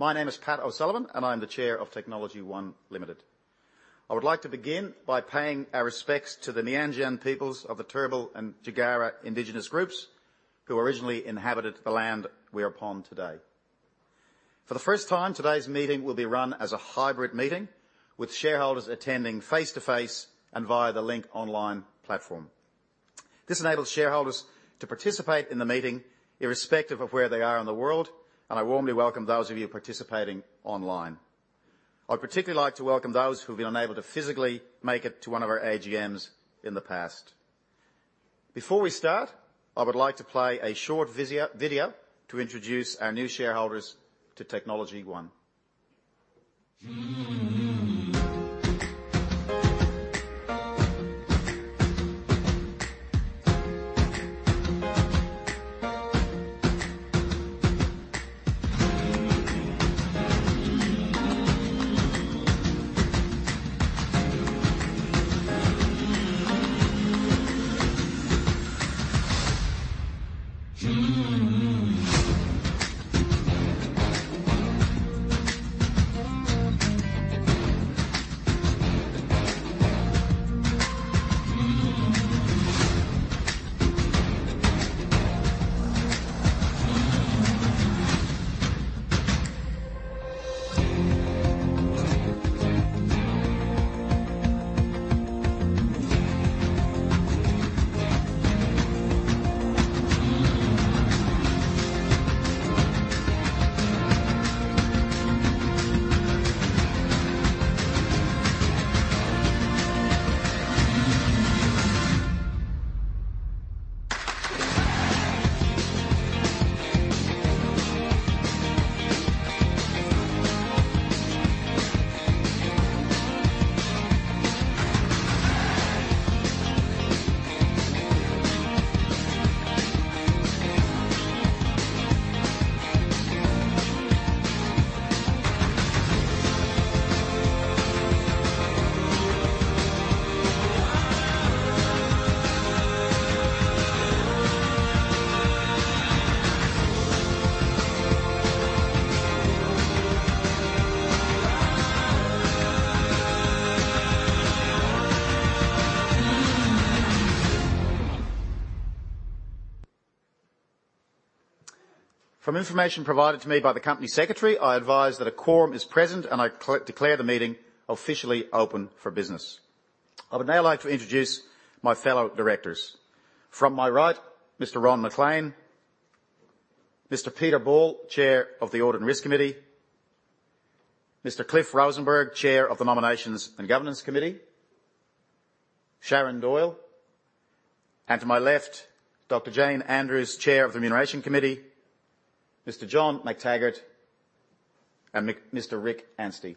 My name is Pat O'Sullivan, and I'm the Chair of TechnologyOne Limited. I would like to begin by paying our respects to the Meanjin peoples of the Turrbal and Jagera Indigenous groups, who originally inhabited the land we're upon today. For the first time, today's meeting will be run as a hybrid meeting with shareholders attending face-to-face and via the Link online platform. This enables shareholders to participate in the meeting irrespective of where they are in the world, and I warmly welcome those of you participating online. I'd particularly like to welcome those who've been unable to physically make it to one of our AGMs in the past. Before we start, I would like to play a short video to introduce our new shareholders to TechnologyOne. From information provided to me by the Company Secretary, I advise that a quorum is present, and I declare the meeting officially open for business. I would now like to introduce my fellow directors. From my right, Mr. Ron McLean, Mr. Peter Ball, Chair of the Audit and Risk Committee, Mr. Clifford Rosenberg, Chair of the Nomination and Governance Committee, Sharon Doyle, and to my left, Dr. Jane Andrews, Chair of the Remuneration Committee, Mr. John Mactaggart, and Mr. Richard Anstey.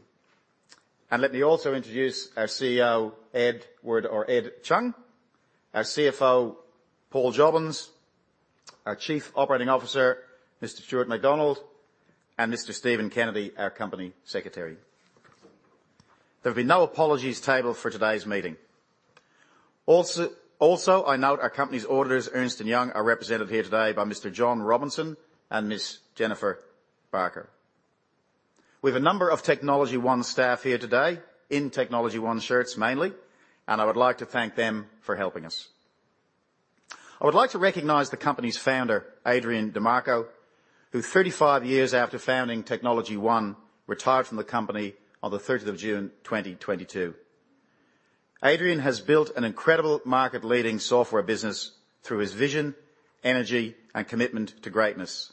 Let me also introduce our CEO, Edward or Ed Chung, our CFO, Paul Jobbins, our Chief Operating Officer, Mr. Stuart MacDonald, and Mr. Stephen Kennedy, our Company Secretary. There have been no apologies tabled for today's meeting. Also, I note our company's auditors, Ernst & Young, are represented here today by Mr. John Robinson and Ms. Jennifer Barker. We have a number of TechnologyOne staff here today in TechnologyOne shirts mainly. I would like to thank them for helping us. I would like to recognize the company's founder, Adrian Di Marco, who 35 years after founding TechnologyOne retired from the company on the 30th of June, 2022. Adrian has built an incredible market-leading software business through his vision, energy, and commitment to greatness.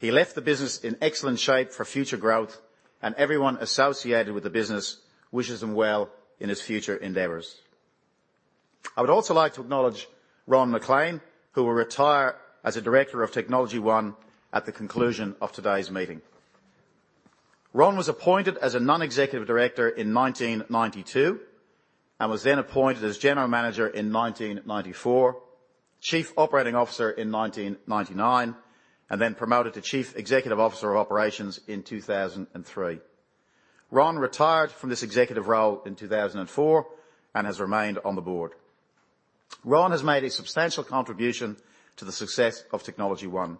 He left the business in excellent shape for future growth. Everyone associated with the business wishes him well in his future endeavors. I would also like to acknowledge Ron McLean, who will retire as a director of TechnologyOne at the conclusion of today's meeting. Ron was appointed as a non-executive director in 1992 and was then appointed as general manager in 1994, chief operating officer in 1999, and then promoted to chief executive officer of operations in 2003. Ron retired from this executive role in 2004 and has remained on the board. Ron has made a substantial contribution to the success of TechnologyOne.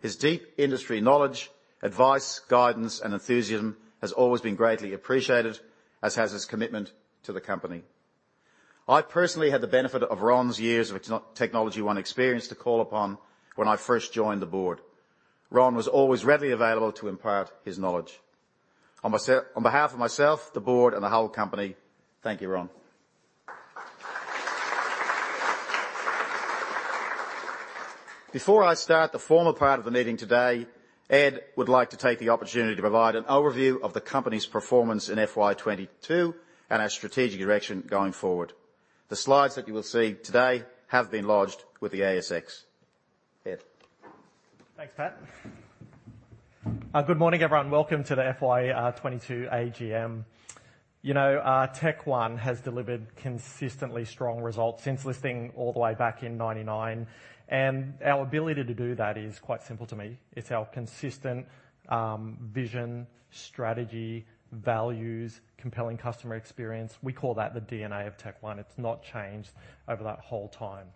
His deep industry knowledge, advice, guidance, and enthusiasm has always been greatly appreciated, as has his commitment to the company. I personally had the benefit of Ron's years of TechnologyOne experience to call upon when I first joined the board. Ron was always readily available to impart his knowledge. On behalf of myself, the board, and the whole company, thank you, Ron. Before I start the formal part of the meeting today, Ed would like to take the opportunity to provide an overview of the company's performance in FY 2022 and our strategic direction going forward. The slides that you will see today have been lodged with the ASX. Ed. Thanks, Pat. Good morning, everyone. Welcome to the FY 2022 AGM. You know, TechOne has delivered consistently strong results since listing all the way back in 1999. Our ability to do that is quite simple to me. It's our consistent vision, strategy, values, compelling customer experience. We call that the DNA of TechOne. It's not changed over that whole time.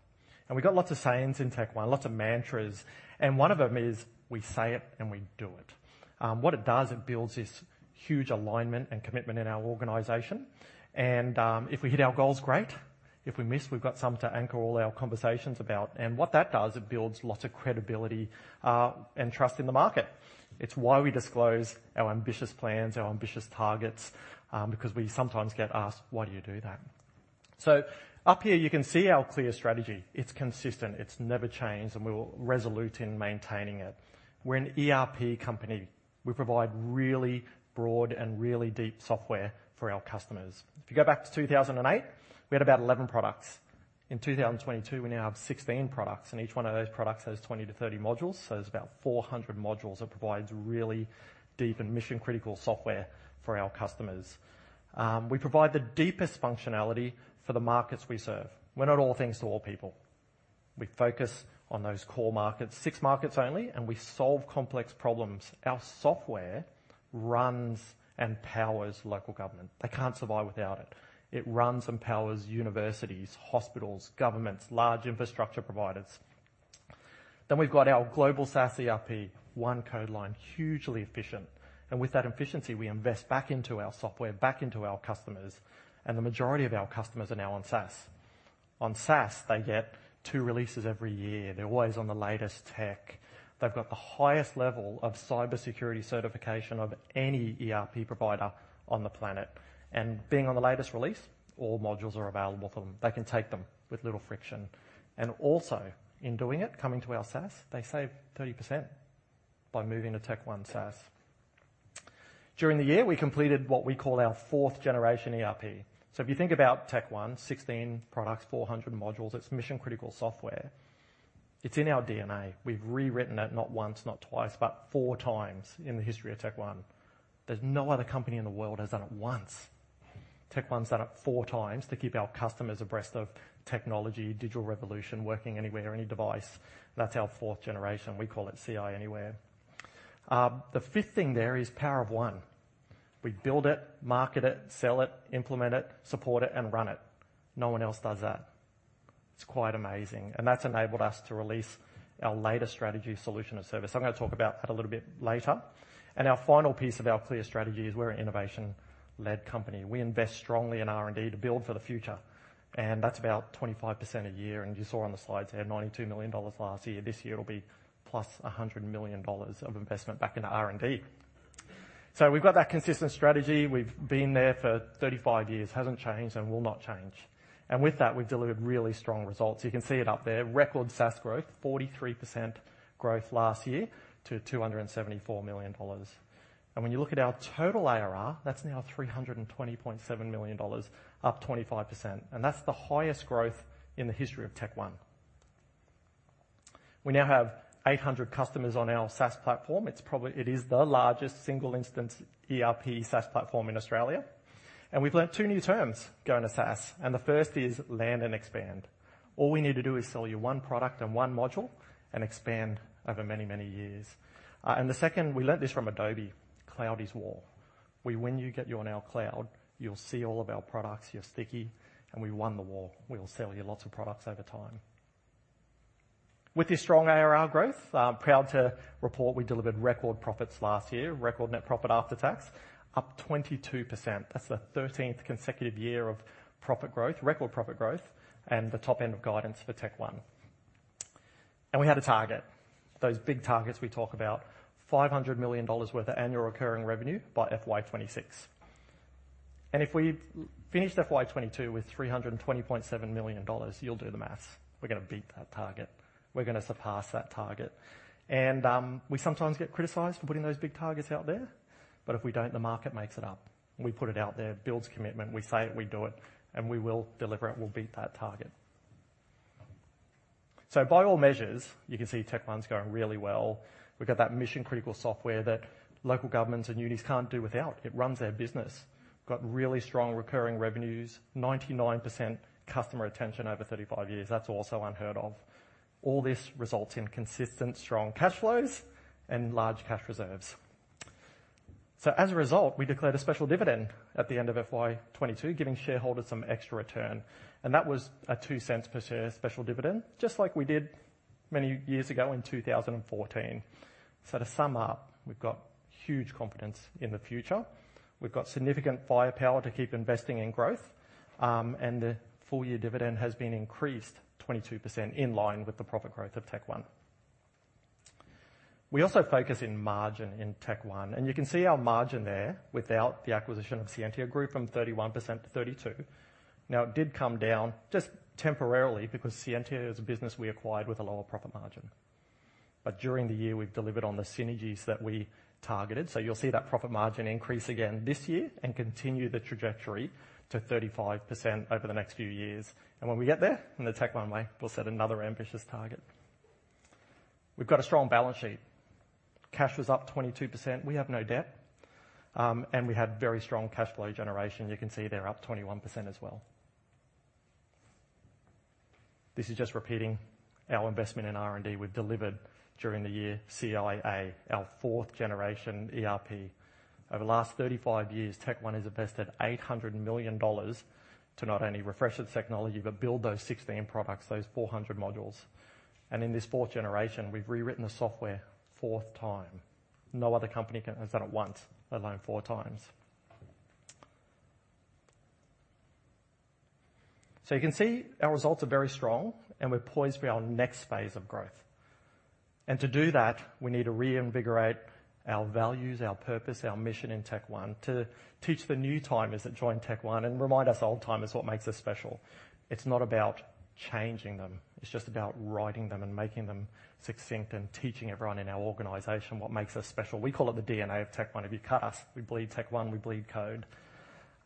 We've got lots of sayings in TechOne, lots of mantras, and one of them is, "We say it and we do it." What it does, it builds this huge alignment and commitment in our organization. If we hit our goals, great. If we miss, we've got some to anchor all our conversations about. What that does, it builds lots of credibility and trust in the market. It's why we disclose our ambitious plans, our ambitious targets, because we sometimes get asked, "Why do you do that?" Up here you can see our clear strategy. It's consistent, it's never changed, and we're resolute in maintaining it. We're an ERP company. We provide really broad and really deep software for our customers. If you go back to 2008, we had about 11 products. In 2022, we now have 16 products, and each one of those products has 20-30 modules. There's about 400 modules that provides really deep and mission-critical software for our customers. We provide the deepest functionality for the markets we serve. We're not all things to all people. We focus on those core markets, 6 markets only, and we solve complex problems. Our software runs and powers local government. They can't survive without it. It runs and powers universities, hospitals, governments, large infrastructure providers. We've got our global SaaS ERP, one code line, hugely efficient. With that efficiency we invest back into our software, back into our customers, and the majority of our customers are now on SaaS. On SaaS, they get 2 releases every year. They're always on the latest tech. They've got the highest level of cybersecurity certification of any ERP provider on the planet. Being on the latest release, all modules are available to them. They can take them with little friction. Also in doing it, coming to our SaaS, they save 30% by moving to TechOne SaaS. During the year, we completed what we call our 4th-generation ERP. If you think about TechOne, 16 products, 400 modules, it's mission-critical software. It's in our DNA. We've rewritten it not once, not twice, but four times in the history of TechOne. There's no other company in the world that's done it 1. TechOne's done it 4x to keep our customers abreast of technology, digital revolution, working anywhere, any device. That's our 4th generation. We call it Ci Anywhere. The 5th thing there is Power of One. We build it, market it, sell it, implement it, support it, and run it. No one else does that. It's quite amazing. That's enabled us to release our latest strategy solution and service. I'm gonna talk about that a little bit later. Our final piece of our clear strategy is we're an innovation-led company. We invest strongly in R&D to build for the future, that's about 25% a year. You saw on the slides we had 92 million dollars last year. This year it'll be plus 100 million dollars of investment back into R&D. We've got that consistent strategy. We've been there for 35 years, hasn't changed and will not change. With that, we've delivered really strong results. You can see it up there. Record SaaS growth, 43% growth last year to 274 million dollars. When you look at our total ARR, that's now 320.7 million dollars, up 25%. That's the highest growth in the history of Technology One. We now have 800 customers on our SaaS platform. It is the largest single instance ERP SaaS platform in Australia. We've learnt two new terms going to SaaS, and the first is land and expand. All we need to do is sell you one product and one module and expand over many, many years. The second, we learned this from Adobe, cloud is war. When you get you on our cloud, you'll see all of our products, you're sticky, and we won the war. We will sell you lots of products over time. With this strong ARR growth, I'm proud to report we delivered record profits last year. Record net profit after tax, up 22%. That's the 13th consecutive year of profit growth, record profit growth, and the top end of guidance for TechOne. We had a target. Those big targets we talk about, 500 million dollars worth of annual recurring revenue by FY 2026. If we finished FY 2022 with 320.7 million dollars, you'll do the math. We're gonna beat that target. We're gonna surpass that target. We sometimes get criticized for putting those big targets out there. If we don't, the market makes it up. We put it out there, it builds commitment. We say it, we do it, and we will deliver it. We'll beat that target. By all measures, you can see TechOne's going really well. We've got that mission-critical software that local governments and units can't do without. It runs their business. Got really strong recurring revenues, 99% customer retention over 35 years. That's also unheard of. All this results in consistent strong cash flows and large cash reserves. As a result, we declared a special dividend at the end of FY 2022, giving shareholders some extra return, and that was a 0.02 per share special dividend, just like we did many years ago in 2014. To sum up, we've got huge confidence in the future. We've got significant firepower to keep investing in growth, the full year dividend has been increased 22% in line with the profit growth of TechOne. We also focus in margin in TechOne, you can see our margin there without the acquisition of Scientia group from 31% to 32%. It did come down just temporarily because Scientia is a business we acquired with a lower profit margin. During the year we've delivered on the synergies that we targeted, you'll see that profit margin increase again this year and continue the trajectory to 35% over the next few years. When we get there, in the TechOne way, we'll set another ambitious target. We've got a strong balance sheet. Cash was up 22%. We have no debt, we have very strong cash flow generation. You can see there, up 21% as well. This is just repeating our investment in R&D. We've delivered during the year CiA, our fourth generation ERP. Over the last 35 years, TechOne has invested 800 million dollars to not only refresh its technology, but build those 16 products, those 400 modules. In this fourth generation, we've rewritten the software fourth time. No other company has done it once, let alone four times. You can see our results are very strong, and we're poised for our next phase of growth. To do that, we need to reinvigorate our values, our purpose, our mission in TechOne to teach the new-timers that join TechOne and remind us old-timers what makes us special. It's not about changing them. It's just about writing them and making them succinct and teaching everyone in our organization what makes us special. We call it the DNA of TechOne. If you cut us, we bleed TechOne, we bleed code.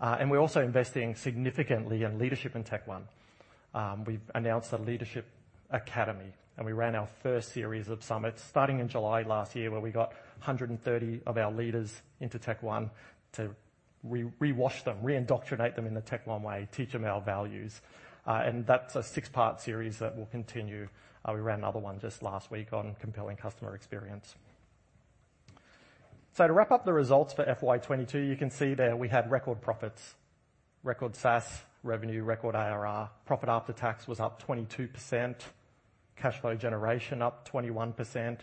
We're also investing significantly in leadership in TechOne. We've announced a leadership academy, we ran our first series of summits starting in July last year, where we got 130 of our leaders into TechOne to rewash them, re-indoctrinate them in the TechOne way, teach them our values. That's a six-part series that will continue. We ran another one just last week on compelling customer experience. To wrap up the results for FY 2022, you can see there we had record profits, record SaaS revenue, record ARR. Profit after tax was up 22%, cash flow generation up 21%.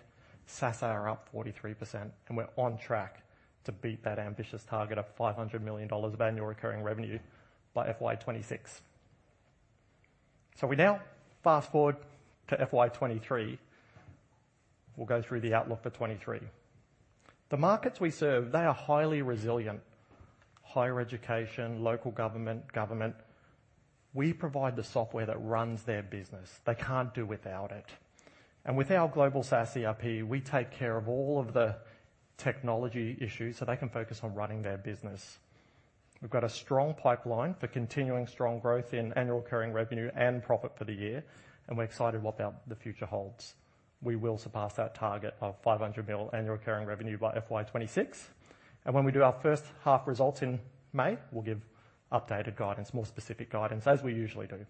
SaaS ARR up 43%, we're on track to beat that ambitious target of 500 million dollars of annual recurring revenue by FY 2026. We now fast-forward to FY 2023. We'll go through the outlook for 2023. The markets we serve, they are highly resilient. Higher education, local government. We provide the software that runs their business. They can't do without it. With our global SaaS ERP, we take care of all of the technology issues, they can focus on running their business. We've got a strong pipeline for continuing strong growth in annual recurring revenue and profit for the year, we're excited what the future holds. We will surpass that target of 500 million annual recurring revenue by FY 2026. When we do our first half results in May, we'll give updated guidance, more specific guidance, as we usually do.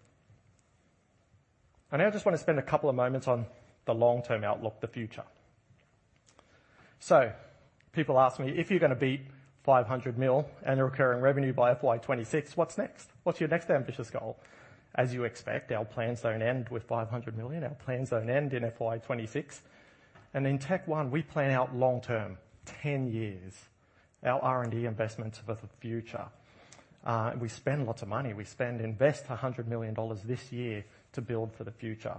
I now just wanna spend a couple of moments on the long-term outlook, the future. People ask me, "If you're gonna beat 500 million annual recurring revenue by FY 2026, what's next? What's your next ambitious goal?" As you expect, our plans don't end with 500 million. Our plans don't end in FY 2026. In TechOne, we plan out long term, 10 years. Our R&D investments are for the future. we spend lots of money. We invest 100 million dollars this year to build for the future.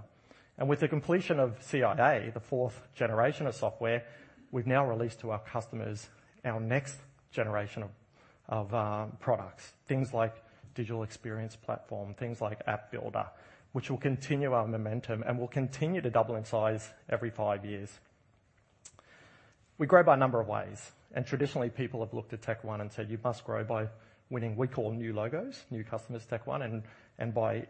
With the completion of CiA, the fourth generation of software, we've now released to our customers our next generation of products. Things like Digital Experience Platform, things like App Builder, which will continue our momentum and will continue to double in size every five years. We grow by a number of ways. Traditionally people have looked at Technology One and said, "You must grow by winning," we call new logos, new customers, Technology One, "and by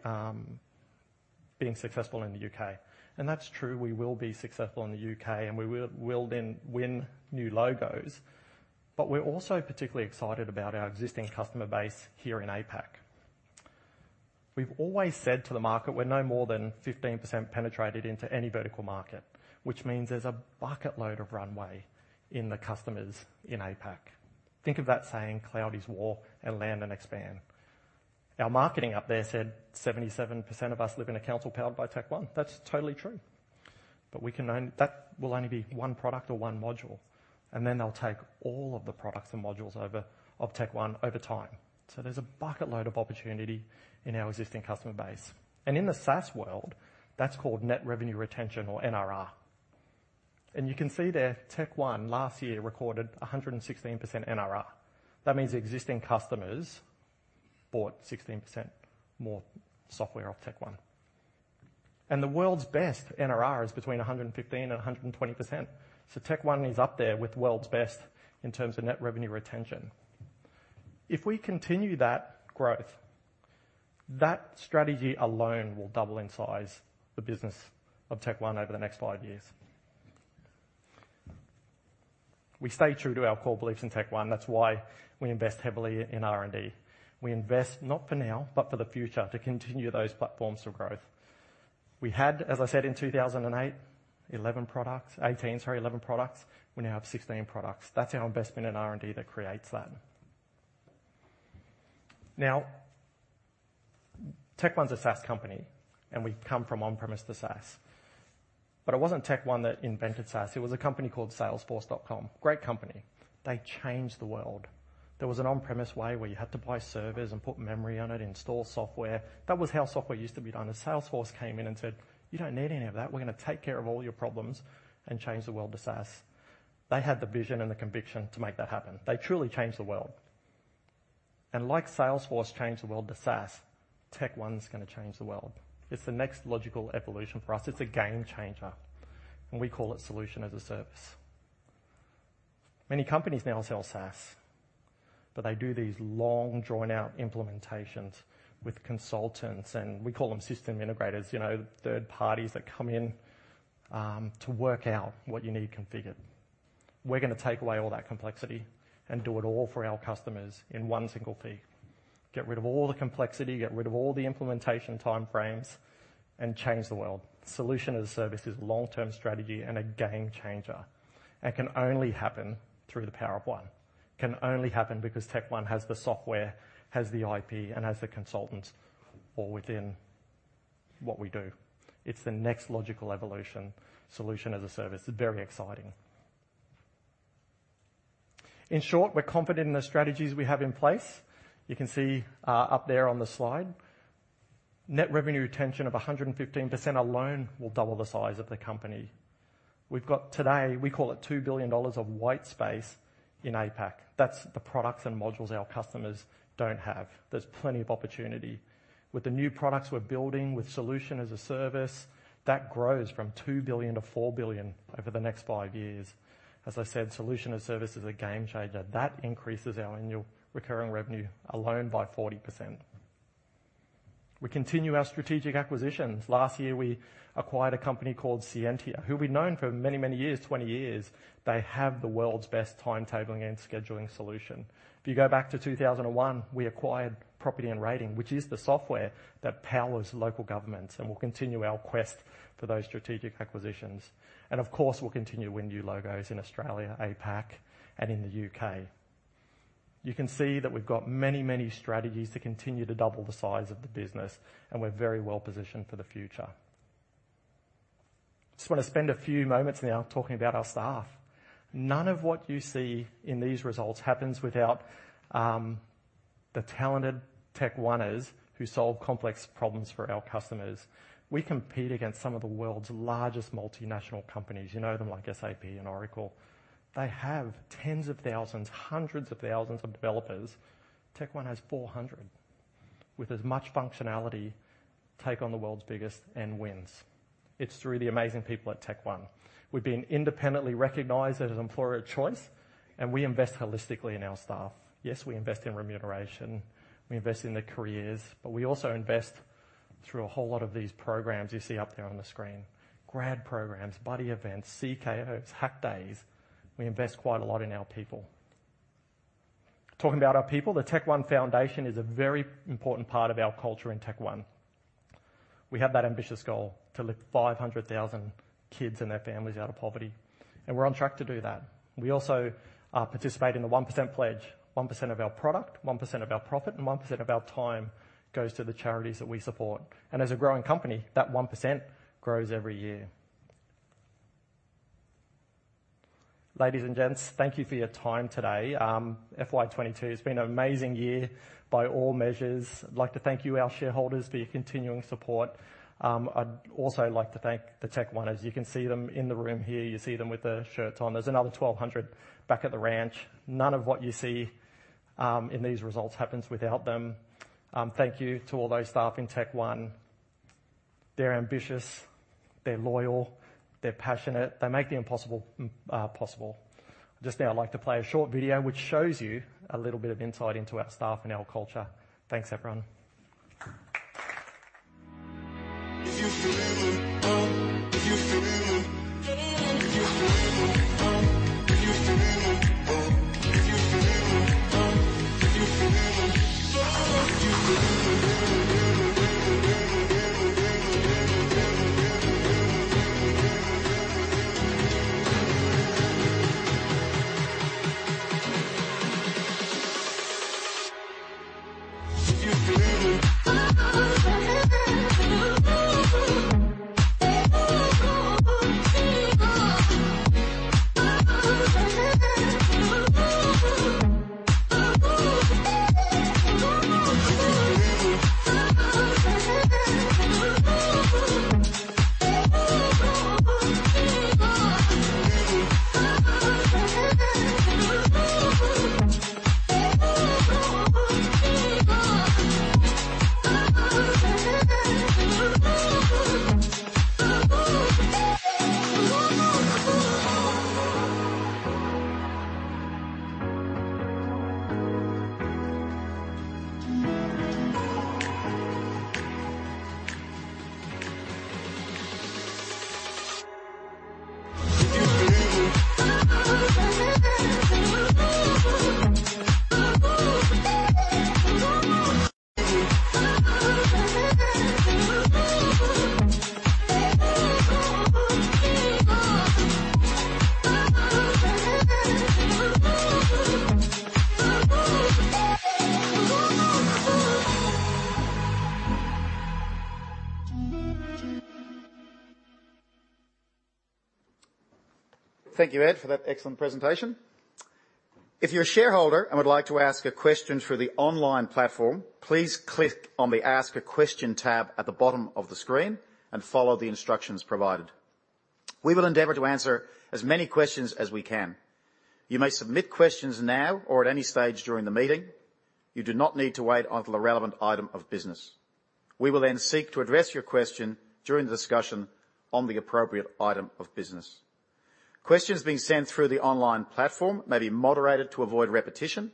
being successful in the U.K." That's true. We will be successful in the U.K, and we will then win new logos. We're also particularly excited about our existing customer base here in APAC. We've always said to the market, we're no more than 15% penetrated into any vertical market, which means there's a bucket load of runway in the customers in APAC. Think of that saying, cloud is war and land and expand. Our marketing up there said 77% of us live in a council powered by Technology One. That's totally true. That will only be one product or one module, and then they'll take all of the products and modules over of TechnologyOne over time. There's a bucketload of opportunity in our existing customer base. In the SaaS world, that's called net revenue retention or NRR. You can see there, TechnologyOne last year recorded 116% NRR. That means existing customers bought 16% more software off TechnologyOne. The world's best NRR is between 115% and 120%. TechnologyOne is up there with world's best in terms of net revenue retention. If we continue that growth, that strategy alone will double in size the business of TechnologyOne over the next five years. We stay true to our core beliefs in TechnologyOne. That's why we invest heavily in R&D. We invest not for now, but for the future to continue those platforms for growth. We had, as I said, in 2008, 11 products. 11 products. We now have 16 products. That's our investment in R&D that creates that. TechOne's a SaaS company, and we've come from on-premise to SaaS. It wasn't TechOne that invented SaaS. It was a company called Salesforce.com. Great company. They changed the world. There was an on-premise way where you had to buy servers and put memory on it, install software. That was how software used to be done. Salesforce came in and said, "You don't need any of that. We're gonna take care of all your problems and change the world to SaaS." They had the vision and the conviction to make that happen. They truly changed the world. Like Salesforce changed the world to SaaS, TechOne's gonna change the world. It's the next logical evolution for us. It's a game changer, and we call it Solution as a Service. Many companies now sell SaaS, but they do these long, drawn-out implementations with consultants, and we call them system integrators, you know, third parties that come in, to work out what you need configured. We're gonna take away all that complexity and do it all for our customers in 1 single fee. Get rid of all the complexity, get rid of all the implementation time frames, and change the world. Solution as a Service is long-term strategy and a game changer, can only happen through the Power of One. Can only happen because TechOne has the software, has the IP, and has the consultants all within what we do. It's the next logical evolution. Solution as a Service is very exciting. In short, we're confident in the strategies we have in place. You can see up there on the slide. Net revenue retention of 115% alone will double the size of the company. We've got today, we call it 2 billion dollars of white space in APAC. That's the products and modules our customers don't have. There's plenty of opportunity. With the new products we're building, with Solution as a Service, that grows from 2 billion-4 billion over the next five years. As I said, Solution as a Service is a game changer. That increases our annual recurring revenue alone by 40%. We continue our strategic acquisitions. Last year, we acquired a company called Scientia, who we've known for many, many years, 20 years. They have the world's best timetabling and scheduling solution. If you go back to 2001, we acquired Property & Rating, which is the software that powers local governments, and we'll continue our quest for those strategic acquisitions. Of course, we'll continue to win new logos in Australia, APAC, and in the U.K. You can see that we've got many, many strategies to continue to double the size of the business, and we're very well-positioned for the future. Just wanna spend a few moments now talking about our staff. None of what you see in these results happens without the talented TechOners who solve complex problems for our customers. We compete against some of the world's largest multinational companies. You know them, like SAP and Oracle. They have tens of thousands, hundreds of thousands of developers. TechOne has 400. With as much functionality, take on the world's biggest and wins. It's through the amazing people at TechOne. We've been independently recognized as an employer of choice, and we invest holistically in our staff. Yes, we invest in remuneration, we invest in their careers, but we also invest through a whole lot of these programs you see up there on the screen. Grad programs, buddy events, CKO, hack days. We invest quite a lot in our people. Talking about our people, the TechOne Foundation is a very important part of our culture in TechOne. We have that ambitious goal to lift 500,000 kids and their families out of poverty, and we're on track to do that. We also participate in the 1% Pledge. 1% of our product, 1% of our profit, and 1% of our time goes to the charities that we support. As a growing company, that 1% grows every year. Ladies and gents, thank you for your time today. FY 2022 has been an amazing year by all measures. I'd like to thank you, our shareholders, for your continuing support. I'd also like to thank the TechOners. You can see them in the room here. You see them with their shirts on. There's another 1,200 back at the ranch. None of what you see in these results happens without them. Thank you to all those staff in TechOne. They're ambitious, they're loyal, they're passionate. They make the impossible possible. Just now I'd like to play a short video which shows you a little bit of insight into our staff and our culture. Thanks, everyone. Thank you, Ed, for that excellent presentation. If you're a shareholder and would like to ask a question through the online platform, please click on the Ask a question tab at the bottom of the screen and follow the instructions provided. We will endeavor to answer as many questions as we can. You may submit questions now or at any stage during the meeting. You do not need to wait until a relevant item of business. We will seek to address your question during the discussion on the appropriate item of business. Questions being sent through the online platform may be moderated to avoid repetition,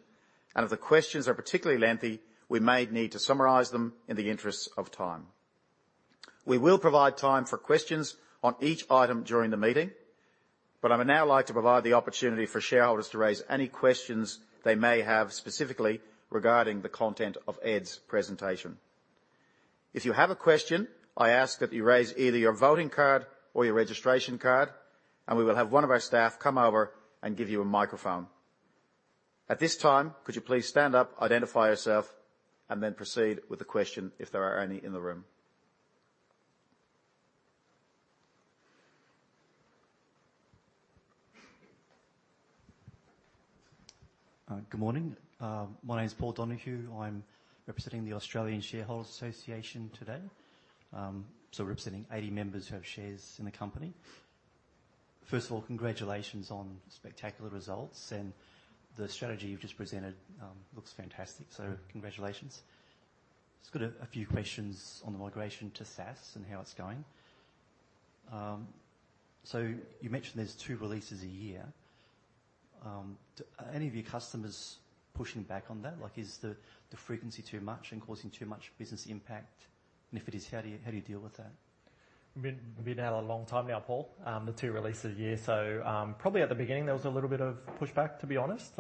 and if the questions are particularly lengthy, we may need to summarize them in the interests of time. We will provide time for questions on each item during the meeting, but I would now like to provide the opportunity for shareholders to raise any questions they may have specifically regarding the content of Ed's presentation. If you have a question, I ask that you raise either your voting card or your registration card, and we will have one of our staff come over and give you a microphone. At this time, could you please stand up, identify yourself, and then proceed with the question if there are any in the room. Good morning. My name is Paul Donahue. I'm representing the Australian Shareholders' Association today. We're representing 80 members who have shares in the company. First of all, congratulations on spectacular results, the strategy you've just presented, looks fantastic, congratulations. Just got a few questions on the migration to SaaS and how it's going. You mentioned there's 2 releases a year. Are any of your customers pushing back on that? Like, is the frequency too much and causing too much business impact? If it is, how do you deal with that? We've been at it a long time now, Paul, the two releases a year. Probably at the beginning there was a little bit of pushback to be honest.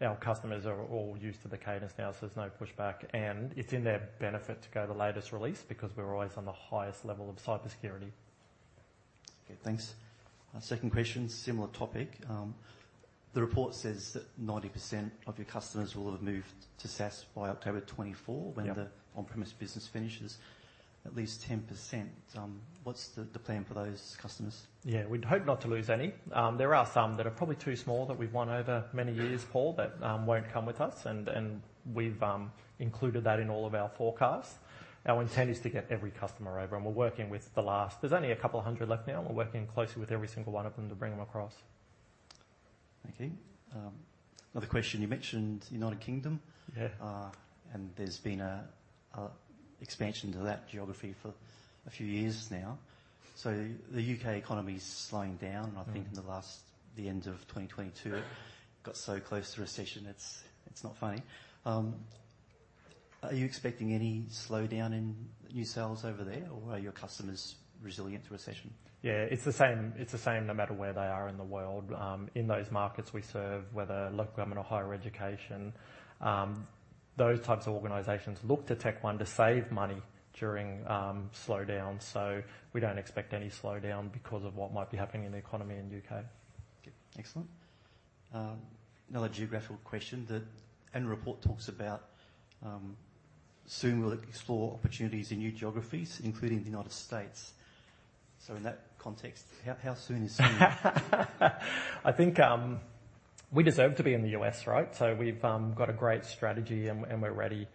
Our customers are all used to the cadence now, so there's no pushback. It's in their benefit to go the latest release because we're always on the highest level of cybersecurity. Thanks. Second question, similar topic. The report says that 90% of your customers will have moved to SaaS by October. Yeah. When the on-premise business finishes. At least 10%, what's the plan for those customers? Yeah. We'd hope not to lose any. There are some that are probably too small that we've won over many years, Paul, that won't come with us and we've included that in all of our forecasts. Our intent is to get every customer over, and we're working with the last. There's only a couple hundred left now. We're working closely with every single one of them to bring them across. Thank you. Another question. You mentioned United Kingdom. Yeah. There's been a expansion to that geography for a few years now. The U.K. economy is slowing downI think the end of 2022. Yeah. got so close to recession, it's not funny. Are you expecting any slowdown in new sales over there, or are your customers resilient to recession? Yeah. It's the same no matter where they are in the world. In those markets we serve, whether local government or higher education, those types of organizations look to Technology One to save money during slowdowns. We don't expect any slowdown because of what might be happening in the economy in the U.K. Okay. Excellent. Another geographical question. The annual report talks about, soon will it explore opportunities in new geographies, including the United States. In that context, how soon is soon? I think we deserve to be in the U.S., right? We've got a great strategy and we're ready.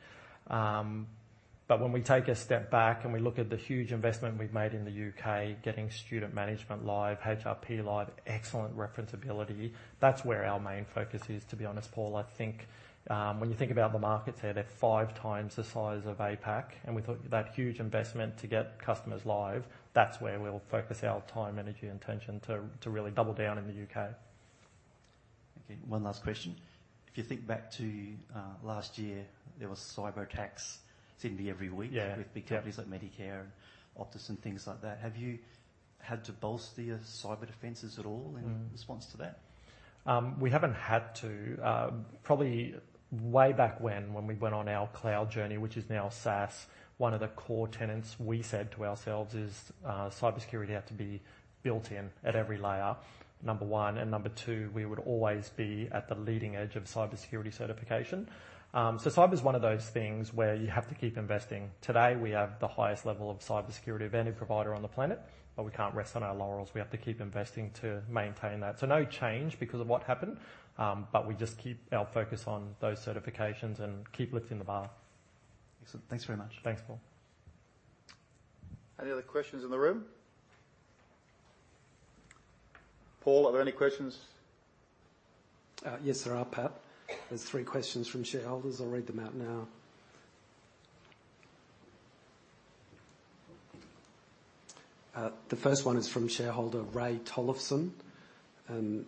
When we take a step back and we look at the huge investment we've made in the U.K, getting student management live, HRP live, excellent reference ability, that's where our main focus is, to be honest, Paul. I think when you think about the markets there, they're five times the size of APAC, and with that huge investment to get customers live, that's where we'll focus our time, energy, and attention to really double down in the U.K. One last question. If you think back to last year, there was cyberattacks, it seemed to be every week. Yeah. with big companies like Medibank and Optus and things like that. Have you had to bolster your cyber defenses at all in response to that? We haven't had to. Probably way back when we went on our cloud journey, which is now SaaS. One of the core tenets we said to ourselves is, cybersecurity had to be built in at every layer, number one. Number two, we would always be at the leading edge of cybersecurity certification. Cyber is one of those things where you have to keep investing. Today, we have the highest level of cybersecurity of any provider on the planet, but we can't rest on our laurels. We have to keep investing to maintain that. No change because of what happened, but we just keep our focus on those certifications and keep lifting the bar. Excellent. Thanks very much. Thanks, Paul. Any other questions in the room? Paul, are there any questions? Yes, there are, Pat. There's three questions from shareholders. I'll read them out now. The first one is from shareholder Ray Tollefson, and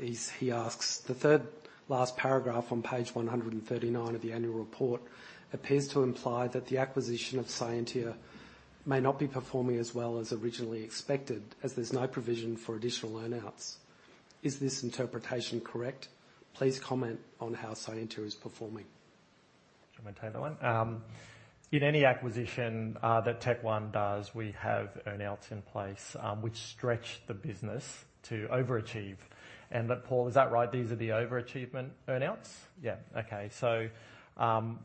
he asks: The third last paragraph on page 139 of the annual report appears to imply that the acquisition of Scientia may not be performing as well as originally expected, as there's no provision for additional earn-outs. Is this interpretation correct? Please comment on how Scientia is performing. Do you want me to take that one? In any acquisition that Technology One does, we have earn-outs in place, which stretch the business to overachieve. But Paul, is that right? These are the overachievement earn-outs? Yeah. Okay.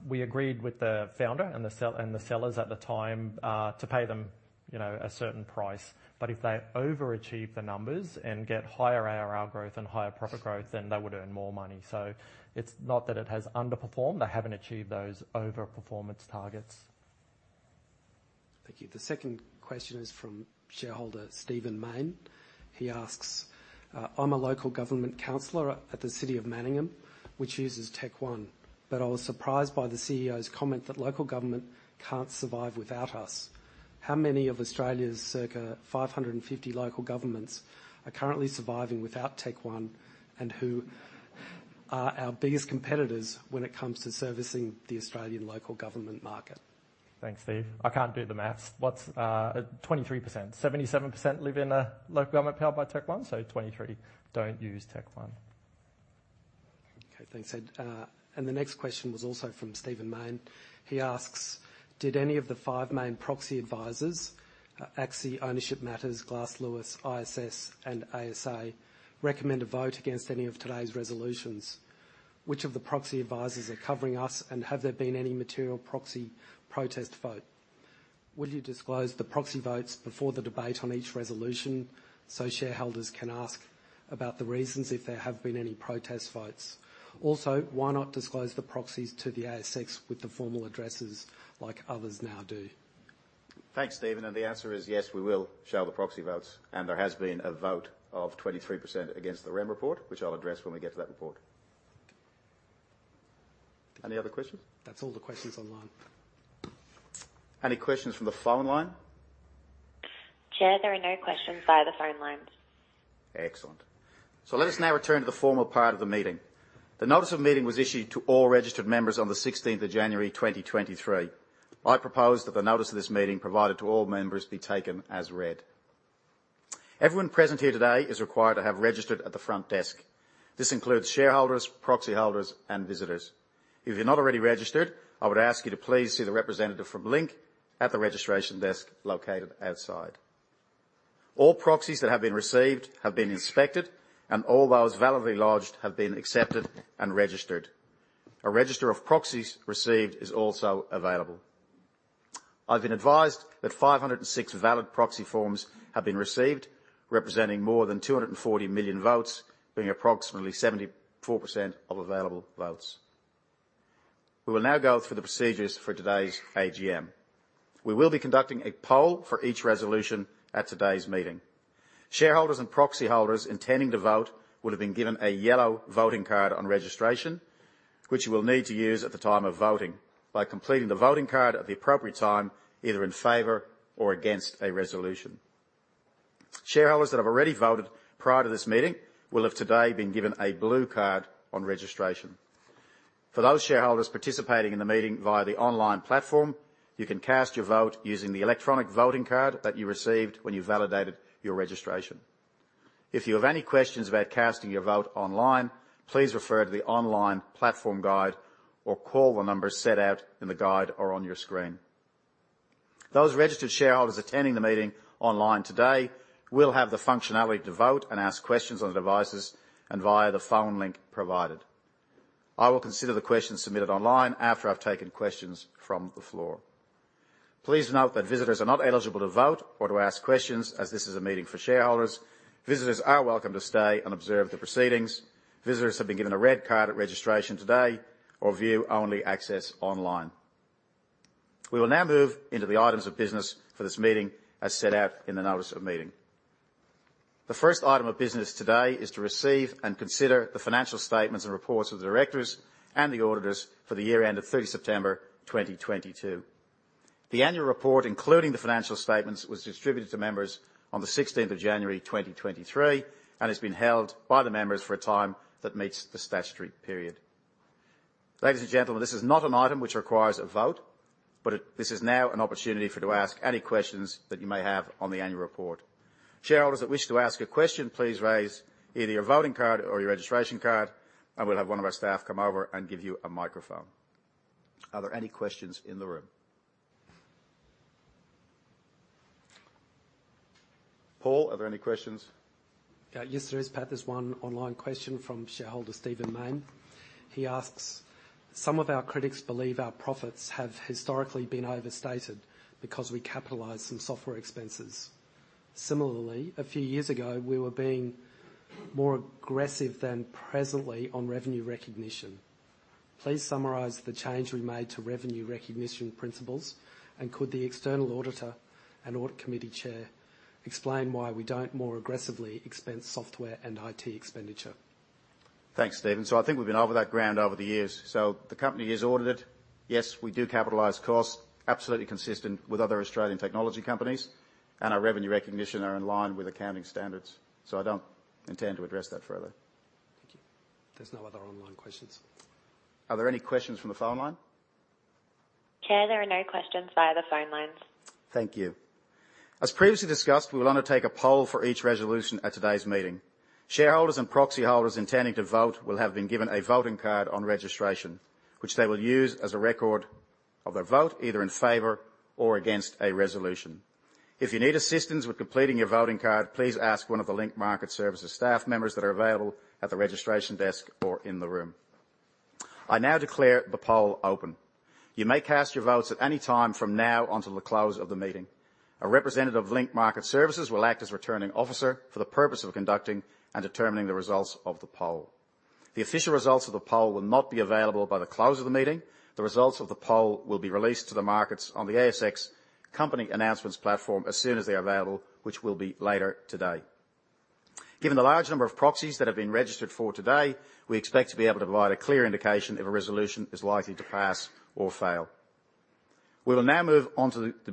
We agreed with the founder and the sellers at the time, to pay them, you know, a certain price. If they overachieve the numbers and get higher ARR growth and higher profit growth- They would earn more money. It's not that it has underperformed. They haven't achieved those over-performance targets. Thank you. The second question is from shareholder Stephen Mayne. He asks, "I'm a local government councilor at the City of Manningham, which uses TechnologyOne, but I was surprised by the CEO's comment that local government can't survive without us. How many of Australia's circa 550 local governments are currently surviving without TechnologyOne, and who are our biggest competitors when it comes to servicing the Australian local government market? Thanks, Steve. I can't do the math. What's 23%? 77% live in a local government powered by TechOne. 23 don't use TechOne. Okay, thanks, Ed. The next question was also from Stephen Mayne. He asks: Did any of the five main proxy advisors, ACSI, Ownership Matters, Glass Lewis, ISS, and ASA, recommend a vote against any of today's resolutions? Which of the proxy advisers are covering us, and have there been any material proxy protest vote? Will you disclose the proxy votes before the debate on each resolution, so shareholders can ask about the reasons if there have been any protest votes? Why not disclose the proxies to the ASX with the formal addresses like others now do? Thanks, Steven. The answer is yes, we will show the proxy votes and there has been a vote of 23% against the REM report, which I'll address when we get to that report. Any other questions? That's all the questions online. Any questions from the phone line? Chair, there are no questions via the phone lines. Excellent. Let us now return to the formal part of the meeting. The notice of meeting was issued to all registered members on the 16th of January, 2023. I propose that the notice of this meeting provided to all members be taken as read. Everyone present here today is required to have registered at the front desk. This includes shareholders, proxy holders and visitors. If you're not already registered, I would ask you to please see the representative from Link at the registration desk located outside. All proxies that have been received have been inspected, and all those validly lodged have been accepted and registered. A register of proxies received is also available. I've been advised that 506 valid proxy forms have been received, representing more than 240 million votes, being approximately 74% of available votes. We will now go through the procedures for today's AGM. We will be conducting a poll for each resolution at today's meeting. Shareholders and proxy holders intending to vote would have been given a yellow voting card on registration, which you will need to use at the time of voting by completing the voting card at the appropriate time, either in favor or against a resolution. Shareholders that have already voted prior to this meeting will have today been given a blue card on registration. For those shareholders participating in the meeting via the online platform, you can cast your vote using the electronic voting card that you received when you validated your registration. If you have any questions about casting your vote online, please refer to the online platform guide or call the number set out in the guide or on your screen. Those registered shareholders attending the meeting online today will have the functionality to vote and ask questions on the devices and via the phone link provided. I will consider the questions submitted online after I've taken questions from the floor. Please note that visitors are not eligible to vote or to ask questions, as this is a meeting for shareholders. Visitors are welcome to stay and observe the proceedings. Visitors have been given a red card at registration today or view-only access online. We will now move into the items of business for this meeting as set out in the notice of meeting. The first item of business today is to receive and consider the financial statements and reports of the directors and the auditors for the year end of 30 September 2022. The annual report, including the financial statements, was distributed to members on the 16th of January, 2023, and has been held by the members for a time that meets the statutory period. Ladies and gentlemen, this is not an item which requires a vote, but this is now an opportunity for to ask any questions that you may have on the annual report. Shareholders that wish to ask a question, please raise either your voting card or your registration card, and we'll have one of our staff come over and give you a microphone. Are there any questions in the room? Paul, are there any questions? Yes, there is, Pat. There's one online question from shareholder Stephen Mayne. He asks, "Some of our critics believe our profits have historically been overstated because we capitalize some software expenses. Similarly, a few years ago, we were being more aggressive than presently on revenue recognition. Please summarize the change we made to revenue recognition principles, and could the external auditor and Audit Committee chair explain why we don't more aggressively expense software and IT expenditure? Thanks, Stephen. I think we've been over that ground over the years. The company is audited. Yes, we do capitalize costs, absolutely consistent with other Australian technology companies, and our revenue recognition are in line with accounting standards. I don't intend to address that further. Thank you. There's no other online questions. Are there any questions from the phone line? Chair, there are no questions via the phone lines. Thank you. As previously discussed, we will undertake a poll for each resolution at today's meeting. Shareholders and proxy holders intending to vote will have been given a voting card on registration, which they will use as a record of their vote, either in favor or against a resolution. If you need assistance with completing your voting card, please ask one of the Link Market Services staff members that are available at the registration desk or in the room. I now declare the poll open. You may cast your votes at any time from now until the close of the meeting. A representative of Link Market Services will act as Returning Officer for the purpose of conducting and determining the results of the poll. The official results of the poll will not be available by the close of the meeting. The results of the poll will be released to the markets on the ASX company announcements platform as soon as they are available, which will be later today. Given the large number of proxies that have been registered for today, we expect to be able to provide a clear indication if a resolution is likely to pass or fail. We will now move on to the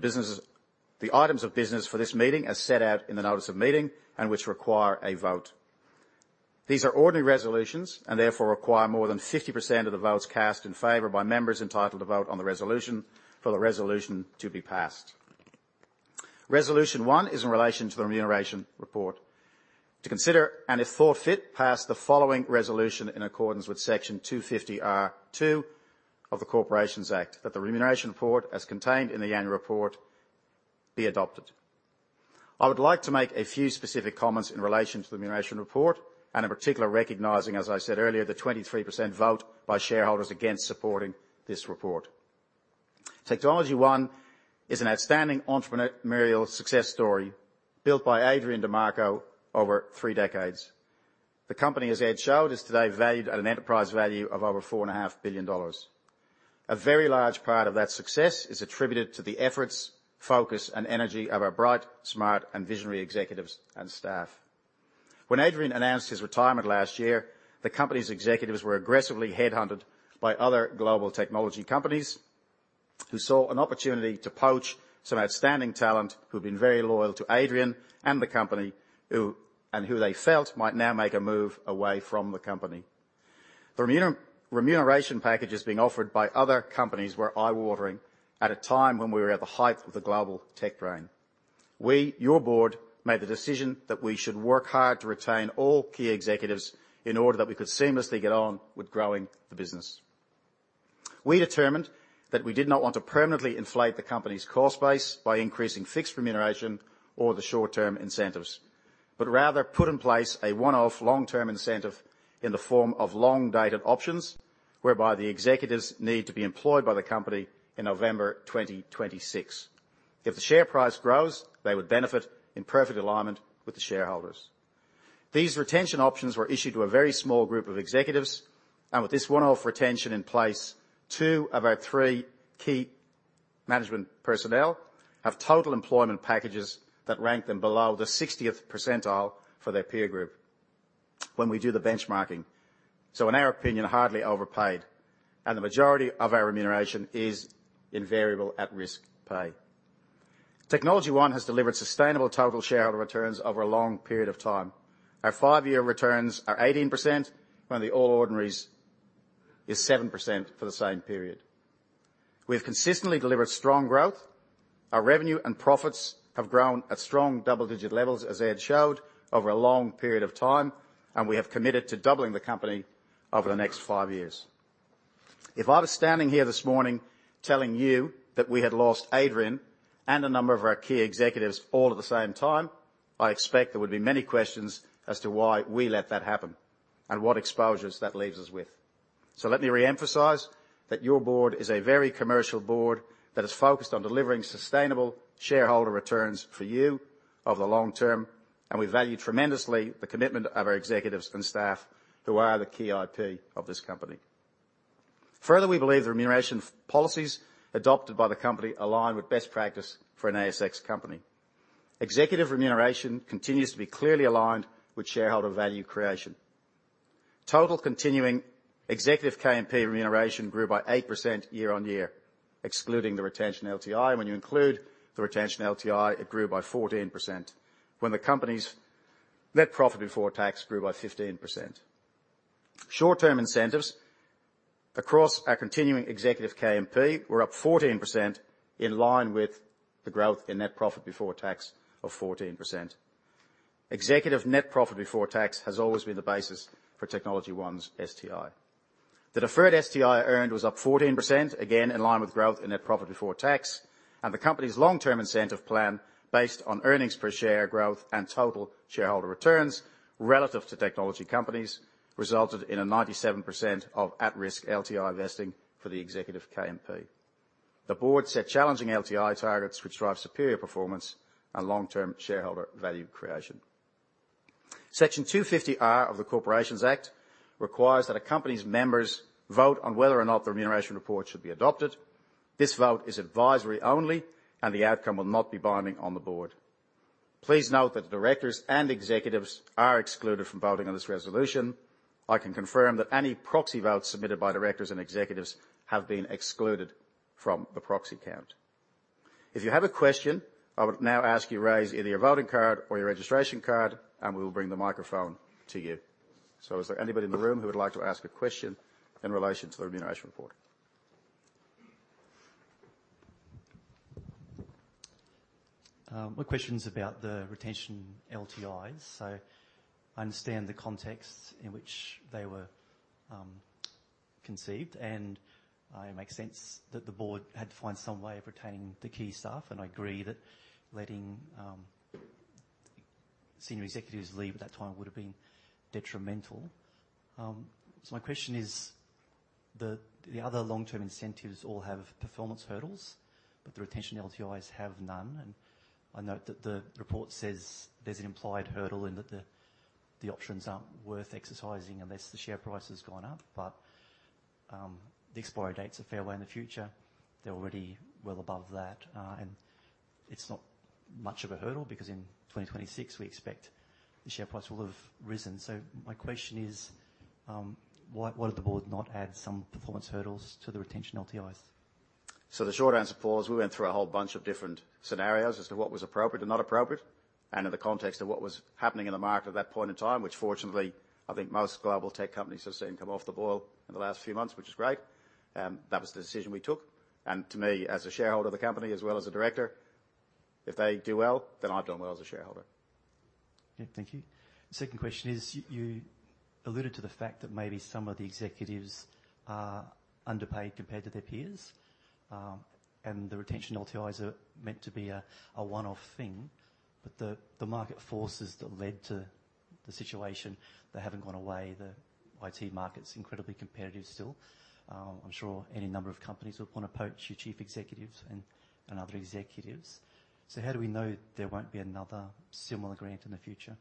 items of business for this meeting as set out in the notice of meeting and which require a vote. These are ordinary resolutions and therefore require more than 50% of the votes cast in favor by members entitled to vote on the resolution for the resolution to be passed. Resolution one is in relation to the remuneration report. To consider, if thought fit, pass the following resolution in accordance with Section 250R of the Corporations Act, that the remuneration report as contained in the annual report be adopted. I would like to make a few specific comments in relation to the remuneration report, and in particular, recognizing, as I said earlier, the 23% vote by shareholders against supporting this report. Technology One is an outstanding entrepreneurial success story built by Adrian Di Marco over three decades. The company, as Ed showed, is today valued at an enterprise value of over 4.5 billion dollars. A very large part of that success is attributed to the efforts, focus, and energy of our bright, smart, and visionary executives and staff. When Adrian announced his retirement last year, the company's executives were aggressively headhunted by other global technology companies who saw an opportunity to poach some outstanding talent who've been very loyal to Adrian and the company and who they felt might now make a move away from the company. The remuneration packages being offered by other companies were eye-watering at a time when we were at the height of the global tech reign. We, your board, made the decision that we should work hard to retain all key executives in order that we could seamlessly get on with growing the business. We determined that we did not want to permanently inflate the company's cost base by increasing fixed remuneration or the short-term incentives, but rather put in place a one-off long-term incentive in the form of long-dated options, whereby the executives need to be employed by the company in November 2026. If the share price grows, they would benefit in perfect alignment with the shareholders. These retention options were issued to a very small group of executives, and with this one-off retention in place, 2 of our 3 key management personnel have total employment packages that rank them below the 60th percentile for their peer group when we do the benchmarking. In our opinion, hardly overpaid, and the majority of our remuneration is invariable at-risk pay. Technology One has delivered sustainable total shareholder returns over a long period of time. Our five-year returns are 18%, when the All Ordinaries is 7% for the same period. We've consistently delivered strong growth. Our revenue and profits have grown at strong double-digit levels, as Ed showed, over a long period of time. We have committed to doubling the company over the next five years. If I was standing here this morning telling you that we had lost Adrian and a number of our key executives all at the same time, I expect there would be many questions as to why we let that happen and what exposures that leaves us with. Let me re-emphasize that your board is a very commercial board that is focused on delivering sustainable shareholder returns for you over the long term. We value tremendously the commitment of our executives and staff who are the key IP of this company. Further, we believe the remuneration policies adopted by the company align with best practice for an ASX company. Executive remuneration continues to be clearly aligned with shareholder value creation. Total continuing executive KMP remuneration grew by 8% year-on-year, excluding the retention LTI. When you include the retention LTI, it grew by 14%. When the company's net profit before tax grew by 15%. Short-term incentives across our continuing executive KMP were up 14% in line with the growth in net profit before tax of 14%. Executive net profit before tax has always been the basis for Technology One's STI. The deferred STI earned was up 14%, again, in line with growth in net profit before tax. The company's long-term incentive plan based on earnings per share growth and total shareholder returns relative to technology companies resulted in a 97% of at-risk LTI vesting for the executive KMP. The board set challenging LTI targets which drive superior performance and long-term shareholder value creation. Section 250R of the Corporations Act requires that a company's members vote on whether or not the remuneration report should be adopted. This vote is advisory only. The outcome will not be binding on the board. Please note that the directors and executives are excluded from voting on this resolution. I can confirm that any proxy votes submitted by directors and executives have been excluded from the proxy count. If you have a question, I would now ask you raise either your voting card or your registration card, and we will bring the microphone to you. Is there anybody in the room who would like to ask a question in relation to the Remuneration Report? My question's about the retention LTIs. I understand the context in which they were conceived, and it makes sense that the board had to find some way of retaining the key staff, and I agree that letting senior executives leave at that time would have been detrimental. My question is the other long-term incentives all have performance hurdles, but the retention LTIs have none. I note that the report says there's an implied hurdle in that the options aren't worth exercising unless the share price has gone up. The expiry date's a fair way in the future. They're already well above that. It's not much of a hurdle because in 2026 we expect the share price will have risen. My question is, why did the board not add some performance hurdles to the retention LTIs? The short answer, Paul, is we went through a whole bunch of different scenarios as to what was appropriate or not appropriate, and in the context of what was happening in the market at that point in time, which fortunately, I think most global tech companies have seen come off the boil in the last few months, which is great. That was the decision we took. To me, as a shareholder of the company as well as a director, if they do well, then I've done well as a shareholder Yeah. Thank you. Second question is, you alluded to the fact that maybe some of the executives are underpaid compared to their peers, and the retention LTI is meant to be a one-off thing. The market forces that led to the situation, they haven't gone away. The IT market's incredibly competitive still. I'm sure any number of companies would want to poach your chief executives and other executives. How do we know there won't be another similar grant in the future?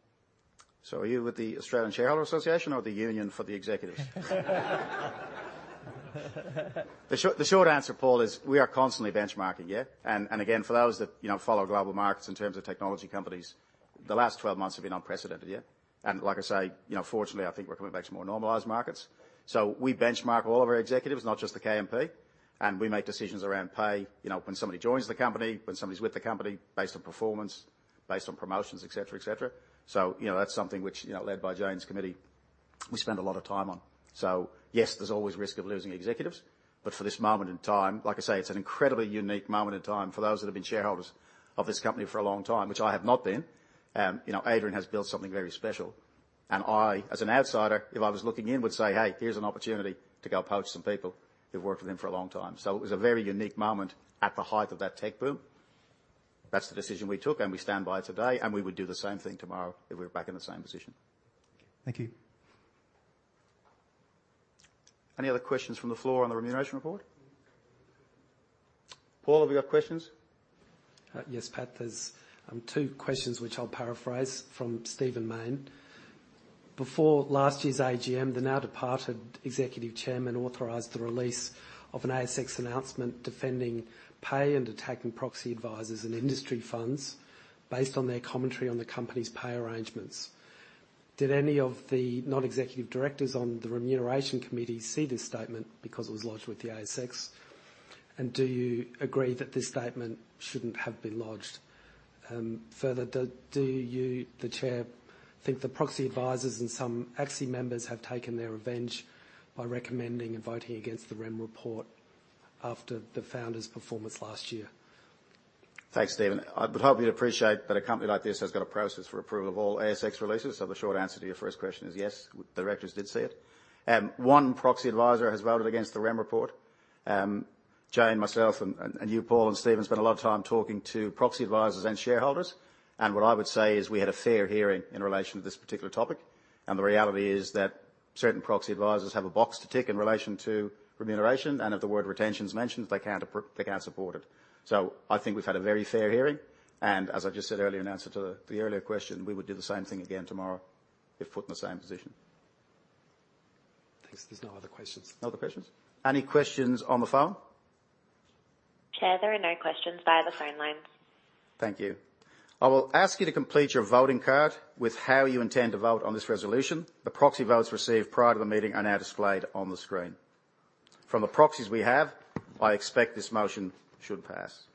Are you with the Australian Shareholders' Association or the Union for the Executives? The short answer, Paul, is we are constantly benchmarking, yeah. Again, for those that, you know, follow global markets in terms of technology companies, the last 12 months have been unprecedented, yeah. Like I say, you know, fortunately, I think we're coming back to more normalized markets. We benchmark all of our executives, not just the KMP, and we make decisions around pay, you know, when somebody joins the company, when somebody's with the company based on performance, based on promotions, et cetera, et cetera. You know, that's something which, you know, led by Jane's committee, we spend a lot of time on. Yes, there's always risk of losing executives. For this moment in time, like I say, it's an incredibly unique moment in time for those that have been shareholders of this company for a long time, which I have not been. You know, Adrian has built something very special. I, as an outsider, if I was looking in, would say, "Hey, here's an opportunity to go poach some people who've worked with him for a long time." It was a very unique moment at the height of that tech boom. That's the decision we took, and we stand by it today, and we would do the same thing tomorrow if we were back in the same position. Thank you. Any other questions from the floor on the remuneration report? Paul, have you got questions? Yes, Pat, there's two questions which I'll paraphrase from Stephen Mayne. Before last year's AGM, the now departed executive chairman authorized the release of an ASX announcement defending pay and attacking proxy advisors and industry funds based on their commentary on the company's pay arrangements. Did any of the non-executive directors on the Remuneration Committee see this statement because it was lodged with the ASX? Do you agree that this statement shouldn't have been lodged? Further, do you, the chair, think the proxy advisors and some ACSI members have taken their revenge by recommending and voting against the REM report after the founder's performance last year? Thanks, Stephen. The short answer to your first question is yes, directors did see it. One proxy advisor has voted against the REM report. Jane, myself, and you, Paul and Stephen, spent a lot of time talking to proxy advisors and shareholders. What I would say is we had a fair hearing in relation to this particular topic. The reality is that certain proxy advisors have a box to tick in relation to remuneration, and if the word retention's mentioned, they can't support it. I think we've had a very fair hearing. As I just said earlier in answer to the earlier question, we would do the same thing again tomorrow if put in the same position. Thanks. There's no other questions. No other questions. Any questions on the phone? Chair, there are no questions via the phone lines. Thank you. I will ask you to complete your voting card with how you intend to vote on this resolution. The proxy votes received prior to the meeting are now displayed on the screen. From the proxies we have, I expect this motion should pass.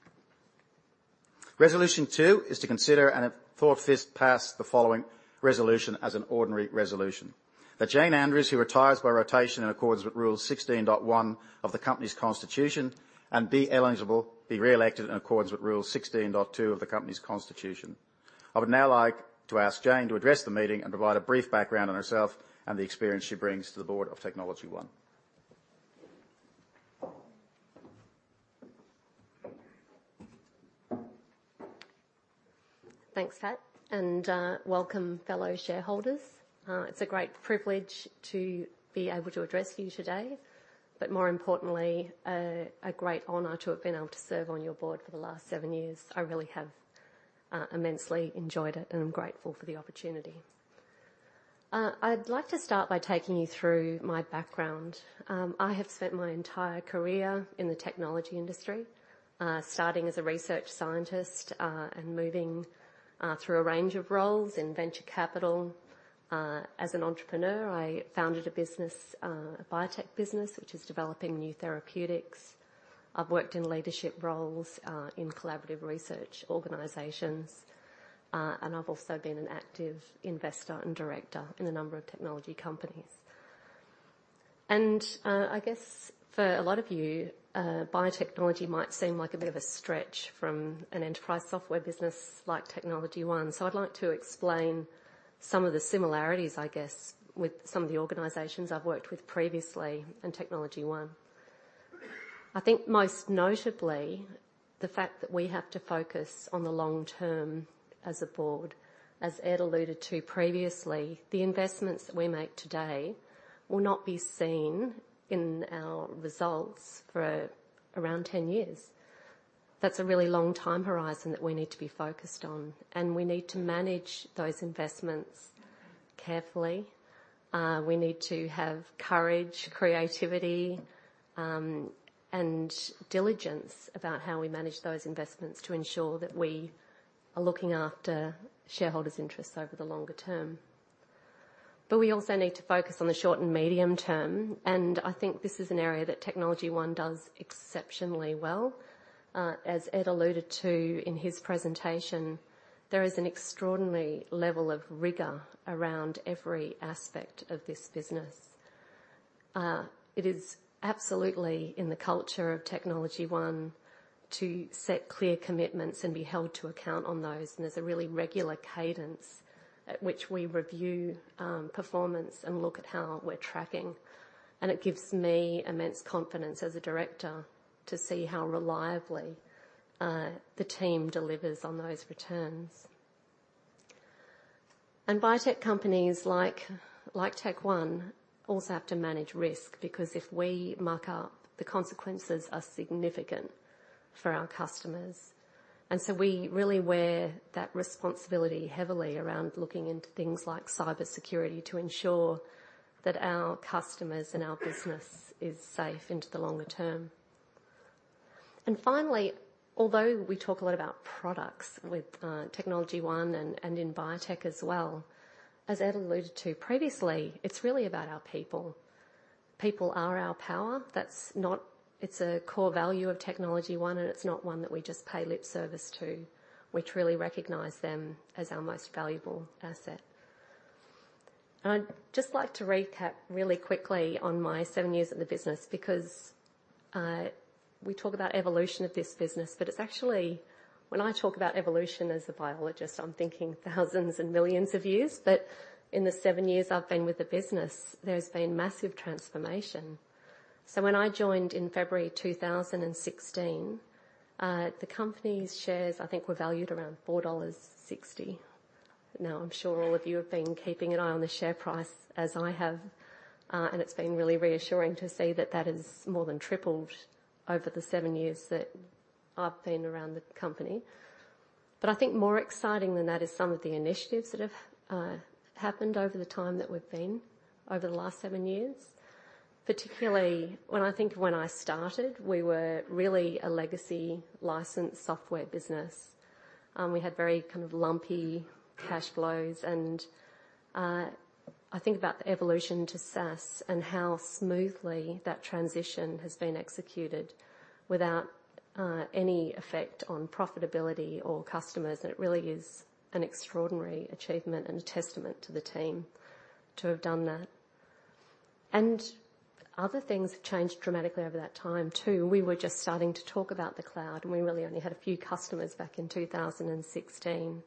Resolution 2 is to consider and if thought fit, pass the following resolution as an ordinary resolution. That Jane Andrews, who retires by rotation in accordance with Rule 16.1 of the company's constitution, and be eligible, be re-elected in accordance with Rule 16.2 of the company's constitution. I would now like to ask Jane to address the meeting and provide a brief background on herself and the experience she brings to the board of TechnologyOne. Thanks, Pat. Welcome fellow shareholders. It's a great privilege to be able to address you today, more importantly, a great honor to have been able to serve on your board for the last 7 years. I really have immensely enjoyed it, I'm grateful for the opportunity. I'd like to start by taking you through my background. I have spent my entire career in the technology industry, starting as a research scientist, moving through a range of roles in venture capital. As an entrepreneur, I founded a business, a biotech business, which is developing new therapeutics. I've worked in leadership roles in collaborative research organizations, I've also been an active investor and director in a number of technology companies. I guess for a lot of you, biotechnology might seem like a bit of a stretch from an enterprise software business like TechnologyOne. I'd like to explain some of the similarities, I guess, with some of the organizations I've worked with previously and TechnologyOne. I think most notably, the fact that we have to focus on the long term as a board. As Ed alluded to previously, the investments that we make today will not be seen in our results for around 10 years. That's a really long time horizon that we need to be focused on, and we need to manage those investments carefully. We need to have courage, creativity, and diligence about how we manage those investments to ensure that we are looking after shareholders' interests over the longer term. We also need to focus on the short and medium term, and I think this is an area that TechnologyOne does exceptionally well. As Ed alluded to in his presentation, there is an extraordinary level of rigor around every aspect of this business. It is absolutely in the culture of TechnologyOne to set clear commitments and be held to account on those. There's a really regular cadence at which we review, performance and look at how we're tracking. It gives me immense confidence as a director to see how reliably, the team delivers on those returns. Biotech companies like TechOne also have to manage risk, because if we muck up, the consequences are significant for our customers. We really wear that responsibility heavily around looking into things like cybersecurity to ensure that our customers and our business is safe into the longer term. Finally, although we talk a lot about products with TechnologyOne and in biotech as well, as Ed alluded to previously, it's really about our people. People are our power. It's a core value of TechnologyOne, and it's not one that we just pay lip service to. We truly recognize them as our most valuable asset. I'd just like to recap really quickly on my seven years at the business, because we talk about evolution of this business. When I talk about evolution as a biologist, I'm thinking thousands and millions of years. In the seven years I've been with the business, there's been massive transformation. When I joined in February 2016, the company's shares I think were valued around 4.60 dollars. I'm sure all of you have been keeping an eye on the share price, as I have, and it's been really reassuring to see that that has more than tripled over the 7 years that I've been around the company. I think more exciting than that is some of the initiatives that have happened over the time that we've been, over the last 7 years. Particularly when I think when I started, we were really a legacy license software business. We had very kind of lumpy cash flows and, I think about the evolution to SaaS and how smoothly that transition has been executed without any effect on profitability or customers, and it really is an extraordinary achievement and a testament to the team to have done that. Other things have changed dramatically over that time, too. We were just starting to talk about the cloud, and we really only had a few customers back in 2016.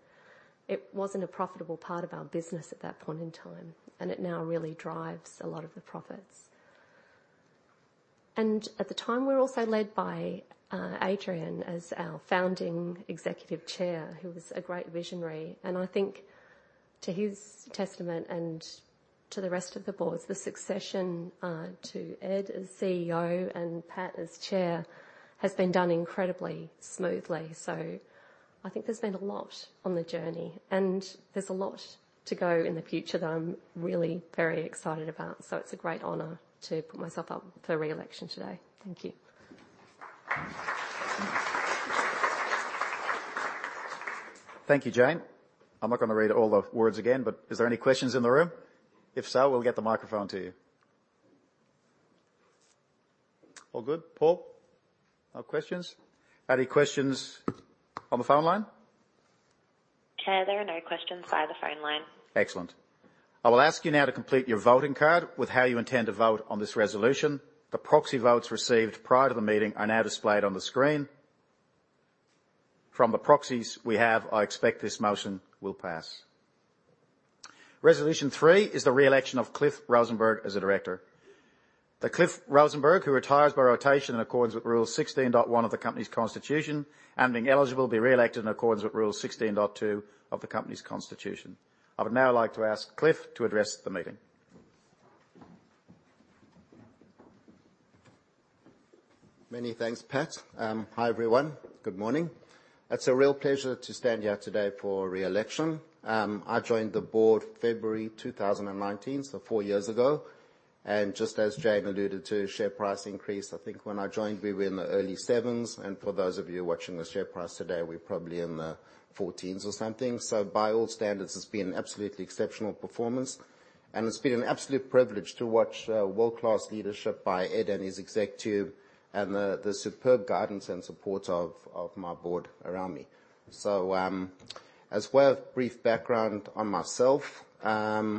It wasn't a profitable part of our business at that point in time, and it now really drives a lot of the profits. At the time, we were also led by Adrian as our founding Executive Chair, who was a great visionary. I think to his testament and to the rest of the board, the succession to Ed as CEO and Pat as Chair has been done incredibly smoothly. I think there's been a lot on the journey, and there's a lot to go in the future that I'm really very excited about. It's a great honor to put myself up for re-election today. Thank you. Thank you, Jane. I'm not gonna read all the words again, but is there any questions in the room? If so, we'll get the microphone to you. All good? Paul? No questions? Are there any questions on the phone line? Chair, there are no questions by the phone line. Excellent. I will ask you now to complete your voting card with how you intend to vote on this resolution. The proxy votes received prior to the meeting are now displayed on the screen. From the proxies we have, I expect this motion will pass. Resolution 3 is the re-election of Cliff Rosenberg as a director. That Cliff Rosenberg, who retires by rotation in accordance with Rule 16.1 of the company's constitution, being eligible, be re-elected in accordance with Rule 16.2 of the company's constitution. I would now like to ask Cliff to address the meeting. Many thanks, Pat. Hi everyone. Good morning. It's a real pleasure to stand here today for re-election. I joined the board February 2019, so 4 years ago. Just as Jane alluded to, share price increase, I think when I joined we were in the early AUD 7s, and for those of you watching the share price today, we're probably in the AUD 14s or something. By all standards, it's been an absolutely exceptional performance, and it's been an absolute privilege to watch world-class leadership by Ed and his exectives, and the superb guidance and support of my board around me. As well, a brief background on myself. I've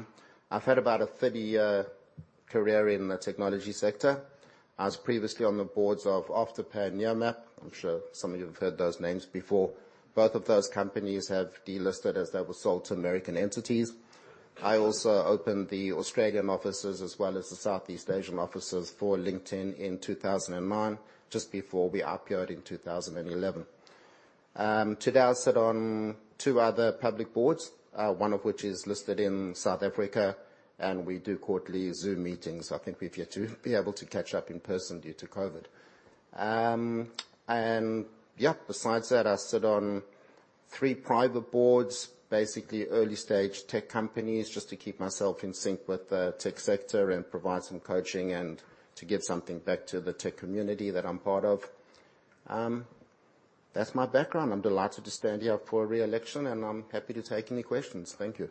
had about a 30-year career in the technology sector. I was previously on the boards of Afterpay and Nearmap. I'm sure some of you have heard those names before. Both of those companies have delisted as they were sold to American entities. I also opened the Australian offices as well as the Southeast Asian offices for LinkedIn in 2009, just before we IPO'd in 2011. Today I sit on two other public boards, one of which is listed in South Africa, and we do quarterly Zoom meetings. I think we've yet to be able to catch up in person due to COVID. Yeah, besides that, I sit on three private boards, basically early-stage tech companies, just to keep myself in sync with the tech sector and provide some coaching and to give something back to the tech community that I'm part of. That's my background. I'm delighted to stand here for re-election, and I'm happy to take any questions. Thank you.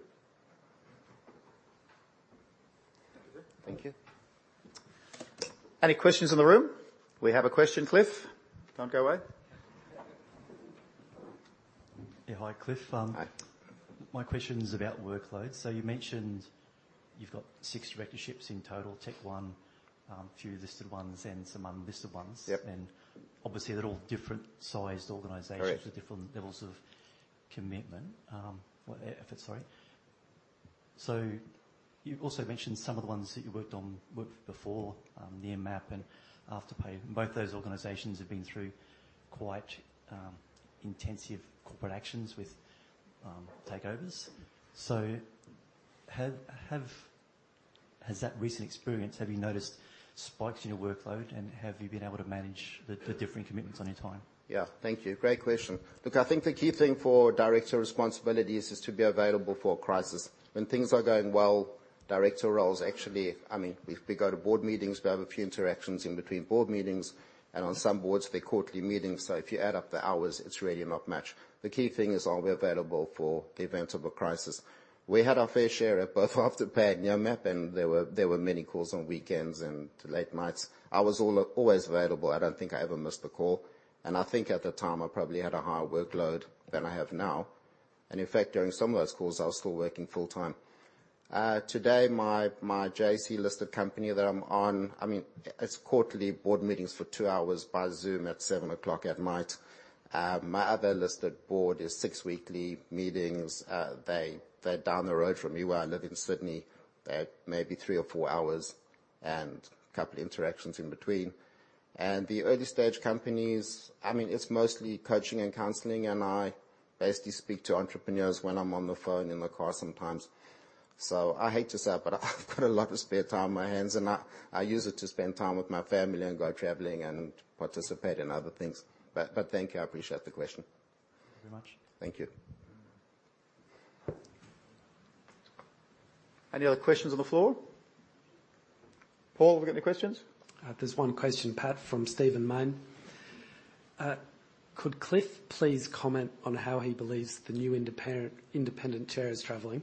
Thank you. Any questions in the room? We have a question, Cliff. Don't go away. Yeah. Hi, Cliff. Hi. My question's about workload. You mentioned you've got 6 directorships in total. TechOne, a few listed ones and some unlisted ones. Yep. Obviously they're all different sized organizations. Correct. with different levels of commitment, or effort, sorry. You also mentioned some of the ones that you worked on before, Nearmap and Afterpay. Both those organizations have been through quite intensive corporate actions with takeovers. Has that recent experience, have you noticed spikes in your workload, and have you been able to manage the differing commitments on your time? Thank you. Great question. I think the key thing for director responsibilities is to be available for crisis. When things are going well, director roles actually, I mean, we go to board meetings, we have a few interactions in between board meetings and on some boards, they're quarterly meetings. If you add up the hours, it's really not much. The key thing is, are we available for the event of a crisis? We had our fair share at both Afterpay and Nearmap, there were many calls on weekends and late nights. I was always available. I don't think I ever missed a call, I think at the time I probably had a higher workload than I have now. In fact, during some of those calls, I was still working full-time. Today my JSE-listed company that I'm on, it's quarterly board meetings for 2 hours via Zoom at 7:00 P.M. at night. My other listed board is 6 weekly meetings. They're down the road from me where I live in Sydney. They're maybe 3 hours or 4 hours and a couple interactions in between. The early stage companies, it's mostly coaching and counseling, and I basically speak to entrepreneurs when I'm on the phone in the car sometimes. I hate to say it, but I've got a lot of spare time on my hands and I use it to spend time with my family and go traveling and participate in other things. Thank you. I appreciate the question. Thank you very much. Thank you. Any other questions on the floor? Paul, have we got any questions? There's one question, Pat, from Stephen Mayne. Could Cliff please comment on how he believes the new independent chair is traveling?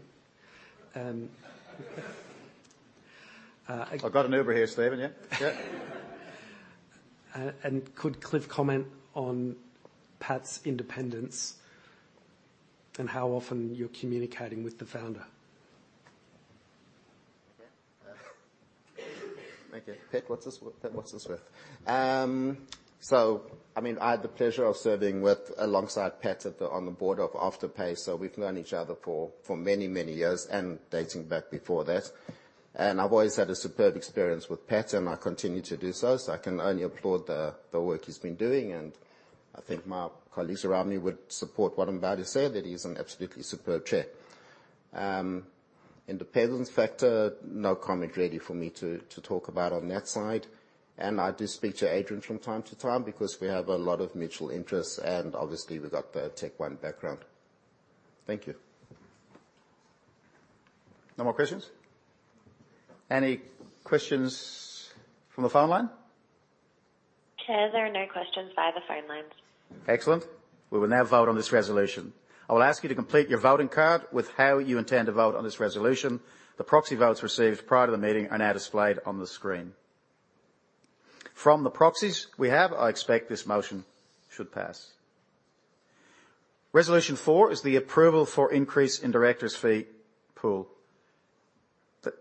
I've got an Uber here, Stephen, yeah. Yeah. Could Cliff comment on Pat's independence and how often you're communicating with the founder? Thank you. Pat, what's this with? I mean, I had the pleasure of serving alongside Pat on the board of Afterpay, we've known each other for many, many years and dating back before that. I've always had a superb experience with Pat, and I continue to do so. I can only applaud the work he's been doing, and I think my colleagues around me would support what I'm about to say, that he's an absolutely superb chair. Independence factor, no comment really for me to talk about on that side. I do speak to Adrian from time to time because we have a lot of mutual interests, and obviously we've got the TechOne background. Thank you. No more questions? Any questions from the phone line? Chair, there are no questions by the phone lines. Excellent. We will now vote on this resolution. I will ask you to complete your voting card with how you intend to vote on this resolution. The proxy votes received prior to the meeting are now displayed on the screen. From the proxies we have, I expect this motion should pass. Resolution 4 is the approval for increase in directors' fee pool.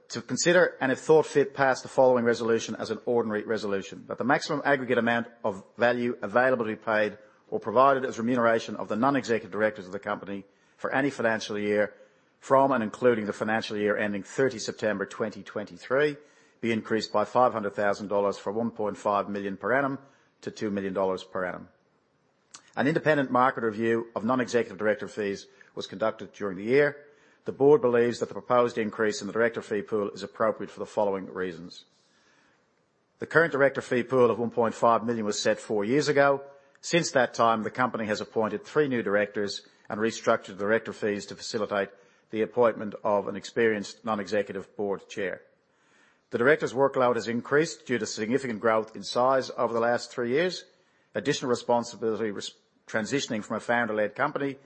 To consider and if thought fit, pass the following resolution as an ordinary resolution. That the maximum aggregate amount of value available to be paid or provided as remuneration of the non-executive directors of the company for any financial year from and including the financial year ending 30 September 2023, be increased by 500,000 dollars from 1.5 million per annum to 2 million dollars per annum. An independent market review of non-executive director fees was conducted during the year. The board believes that the proposed increase in the director fee pool is appropriate for the following reasons. The current director fee pool of 1.5 million was set four years ago. Since that time, the company has appointed three new directors and restructured the director fees to facilitate the appointment of an experienced non-executive board chair. The director's workload has increased due to significant growth in size over the last three years, additional responsibility transitioning from a founder-led company,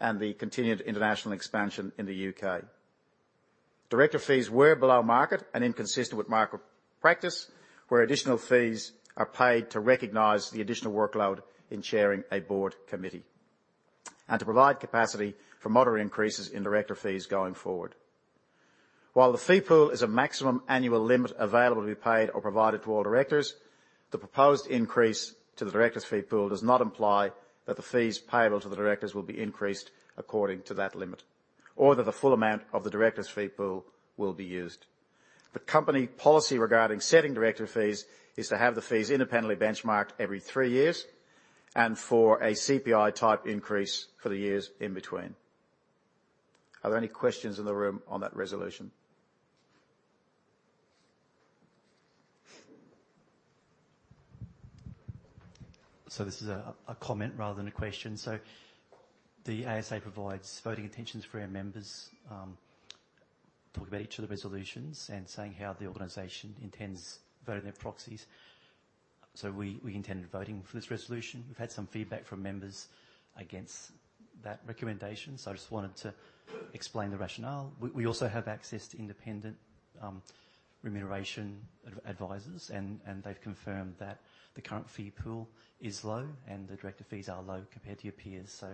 and the continued international expansion in the U.K. Director fees were below market and inconsistent with market practice, where additional fees are paid to recognize the additional workload in chairing a board committee. To provide capacity for moderate increases in director fees going forward. While the fee pool is a maximum annual limit available to be paid or provided to all directors, the proposed increase to the directors' fee pool does not imply that the fees payable to the directors will be increased according to that limit or that the full amount of the directors' fee pool will be used. The company policy regarding setting director fees is to have the fees independently benchmarked every three years and for a CPI-type increase for the years in between. Are there any questions in the room on that resolution? This is a comment rather than a question. The ASA provides voting intentions for our members, talking about each of the resolutions and saying how the organization intends voting their proxies. We intend voting for this resolution. We've had some feedback from members against that recommendation. I just wanted to explain the rationale. We also have access to independent. Remuneration advisors, and they've confirmed that the current fee pool is low and the director fees are low compared to your peers.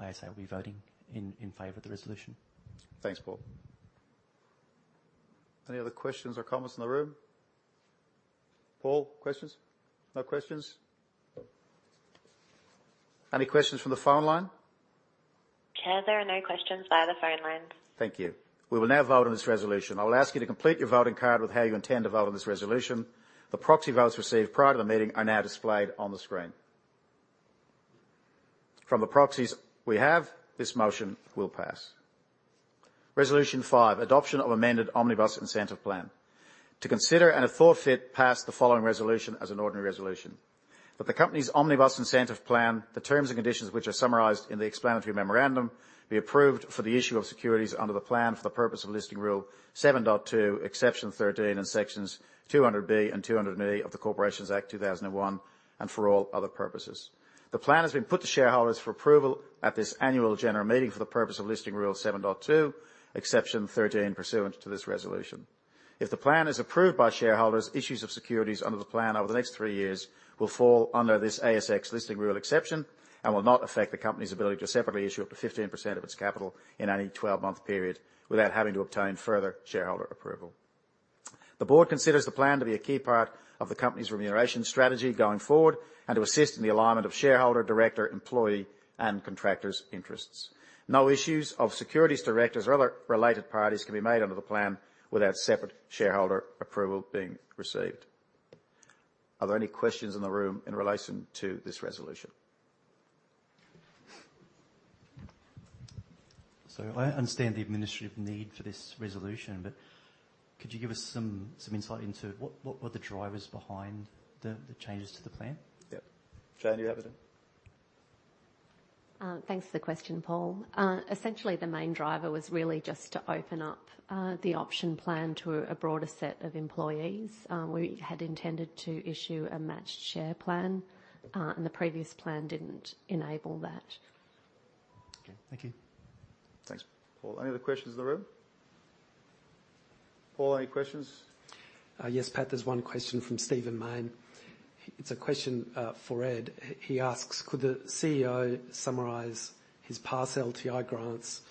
I say I'll be voting in favor of the resolution. Thanks, Paul. Any other questions or comments in the room? Paul, questions? No questions? Any questions from the phone line? Chair, there are no questions via the phone lines. Thank you. We will now vote on this resolution. I will ask you to complete your voting card with how you intend to vote on this resolution. The proxy votes received prior to the meeting are now displayed on the screen. From the proxies we have, this motion will pass. Resolution 5, adoption of amended Omnibus Incentive Plan. To consider and, if thought fit, pass the following resolution as an ordinary resolution, that the company's Omnibus Incentive Plan, the terms and conditions which are summarized in the explanatory memorandum, be approved for the issue of securities under the plan for the purpose of Listing Rule 7.2, Exception 13 in sections 200B and 200E of the Corporations Act 2001, and for all other purposes. The plan has been put to shareholders for approval at this annual general meeting for the purpose of Listing Rule 7.2, Exception 13 pursuant to this resolution. If the plan is approved by shareholders, issues of securities under the plan over the next three years will fall under this ASX Listing Rule exception and will not affect the company's ability to separately issue up to 15% of its capital in any 12-month period without having to obtain further shareholder approval. The board considers the plan to be a key part of the company's remuneration strategy going forward and to assist in the alignment of shareholder, director, employee, and contractors' interests. No issues of securities, directors, or other related parties can be made under the plan without separate shareholder approval being received. Are there any questions in the room in relation to this resolution? I understand the administrative need for this resolution, but could you give us some insight into what were the drivers behind the changes to the plan? Yeah. Jane, do you have it in? Thanks for the question, Paul. Essentially, the main driver was really just to open up the option plan to a broader set of employees. We had intended to issue a Matched Share Plan, and the previous plan didn't enable that. Okay. Thank you. Thanks. Paul, any other questions in the room? Paul, any questions? Yes, Pat, there's one question from Stephen Mayne. It's a question for Ed. He asks: Could the CEO summarize his past LTI grants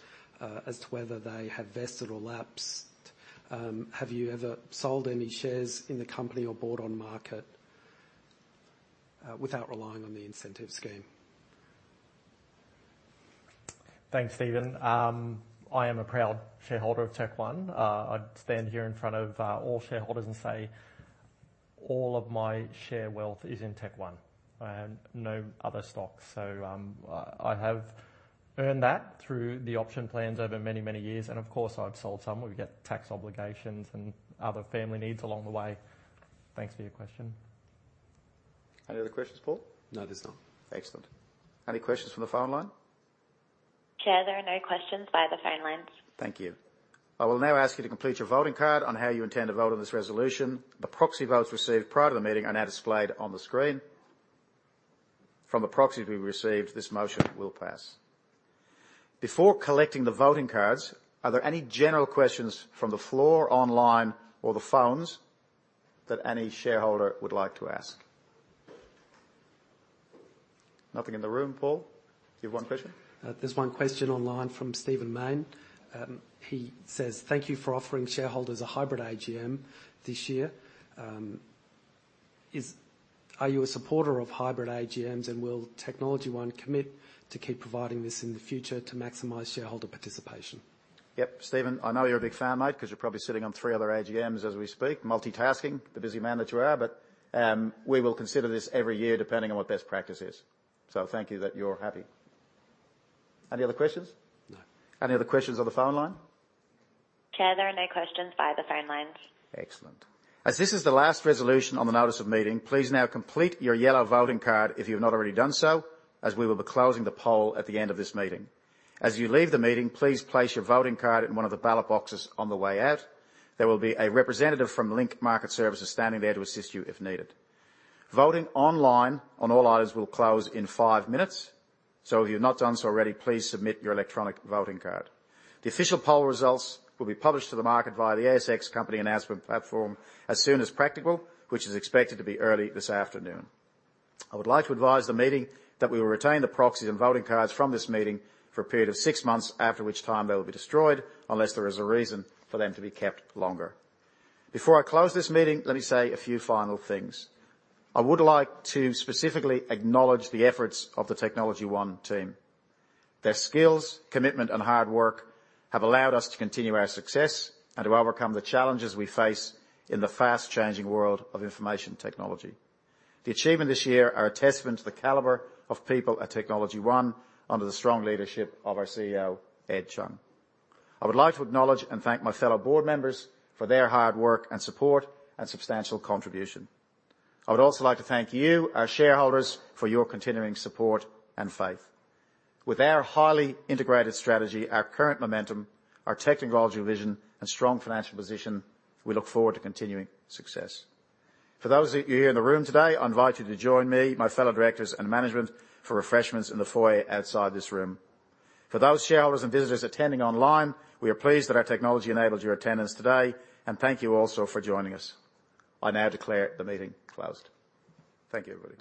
as to whether they have vested or lapsed? Have you ever sold any shares in the company or bought on market without relying on the incentive scheme? Thanks, Stephen. I am a proud shareholder of TechOne. I stand here in front of all shareholders and say all of my share wealth is in TechOne. I have no other stocks. I have earned that through the option plans over many, many years. I've sold some, where we get tax obligations and other family needs along the way. Thanks for your question. Any other questions, Paul? No, there's not. Excellent. Any questions from the phone line? Chair, there are no questions via the phone lines. Thank you. I will now ask you to complete your voting card on how you intend to vote on this resolution. The proxy votes received prior to the meeting are now displayed on the screen. From the proxies we received, this motion will pass. Before collecting the voting cards, are there any general questions from the floor, online, or the phones that any shareholder would like to ask? Nothing in the room. Paul, you have 1 question? There's one question online from Stephen Mayne. He says, "Thank you for offering shareholders a hybrid AGM this year. Are you a supporter of hybrid AGMs, and will TechnologyOne commit to keep providing this in the future to maximize shareholder participation? Yep. Stephen, I know you're a big fan, mate, 'cause you're probably sitting on 3 other AGMs as we speak, multitasking, the busy man that you are. We will consider this every year depending on what best practice is. Thank you that you're happy. Any other questions? No. Any other questions on the phone line? Chair, there are no questions via the phone lines. Excellent. As this is the last resolution on the notice of meeting, please now complete your yellow voting card if you've not already done so, as we will be closing the poll at the end of this meeting. As you leave the meeting, please place your voting card in one of the ballot boxes on the way out. There will be a representative from Link Market Services standing there to assist you if needed. Voting online on all items will close in 5 minutes. If you've not done so already, please submit your electronic voting card. The official poll results will be published to the market via the ASX company announcement platform as soon as practical, which is expected to be early this afternoon. I would like to advise the meeting that we will retain the proxies and voting cards from this meeting for a period of 6 months, after which time they will be destroyed unless there is a reason for them to be kept longer. Before I close this meeting, let me say a few final things. I would like to specifically acknowledge the efforts of the TechnologyOne team. Their skills, commitment, and hard work have allowed us to continue our success and to overcome the challenges we face in the fast-changing world of information technology. The achievement this year are a testament to the caliber of people at TechnologyOne under the strong leadership of our CEO, Ed Chung. I would like to acknowledge and thank my fellow board members for their hard work and support and substantial contribution. I would also like to thank you, our shareholders, for your continuing support and faith. With our highly integrated strategy, our current momentum, our technological vision, and strong financial position, we look forward to continuing success. For those of you here in the room today, I invite you to join me, my fellow directors and management, for refreshments in the foyer outside this room. For those shareholders and visitors attending online, we are pleased that our technology enabled your attendance today, and thank you also for joining us. I now declare the meeting closed. Thank you, everybody.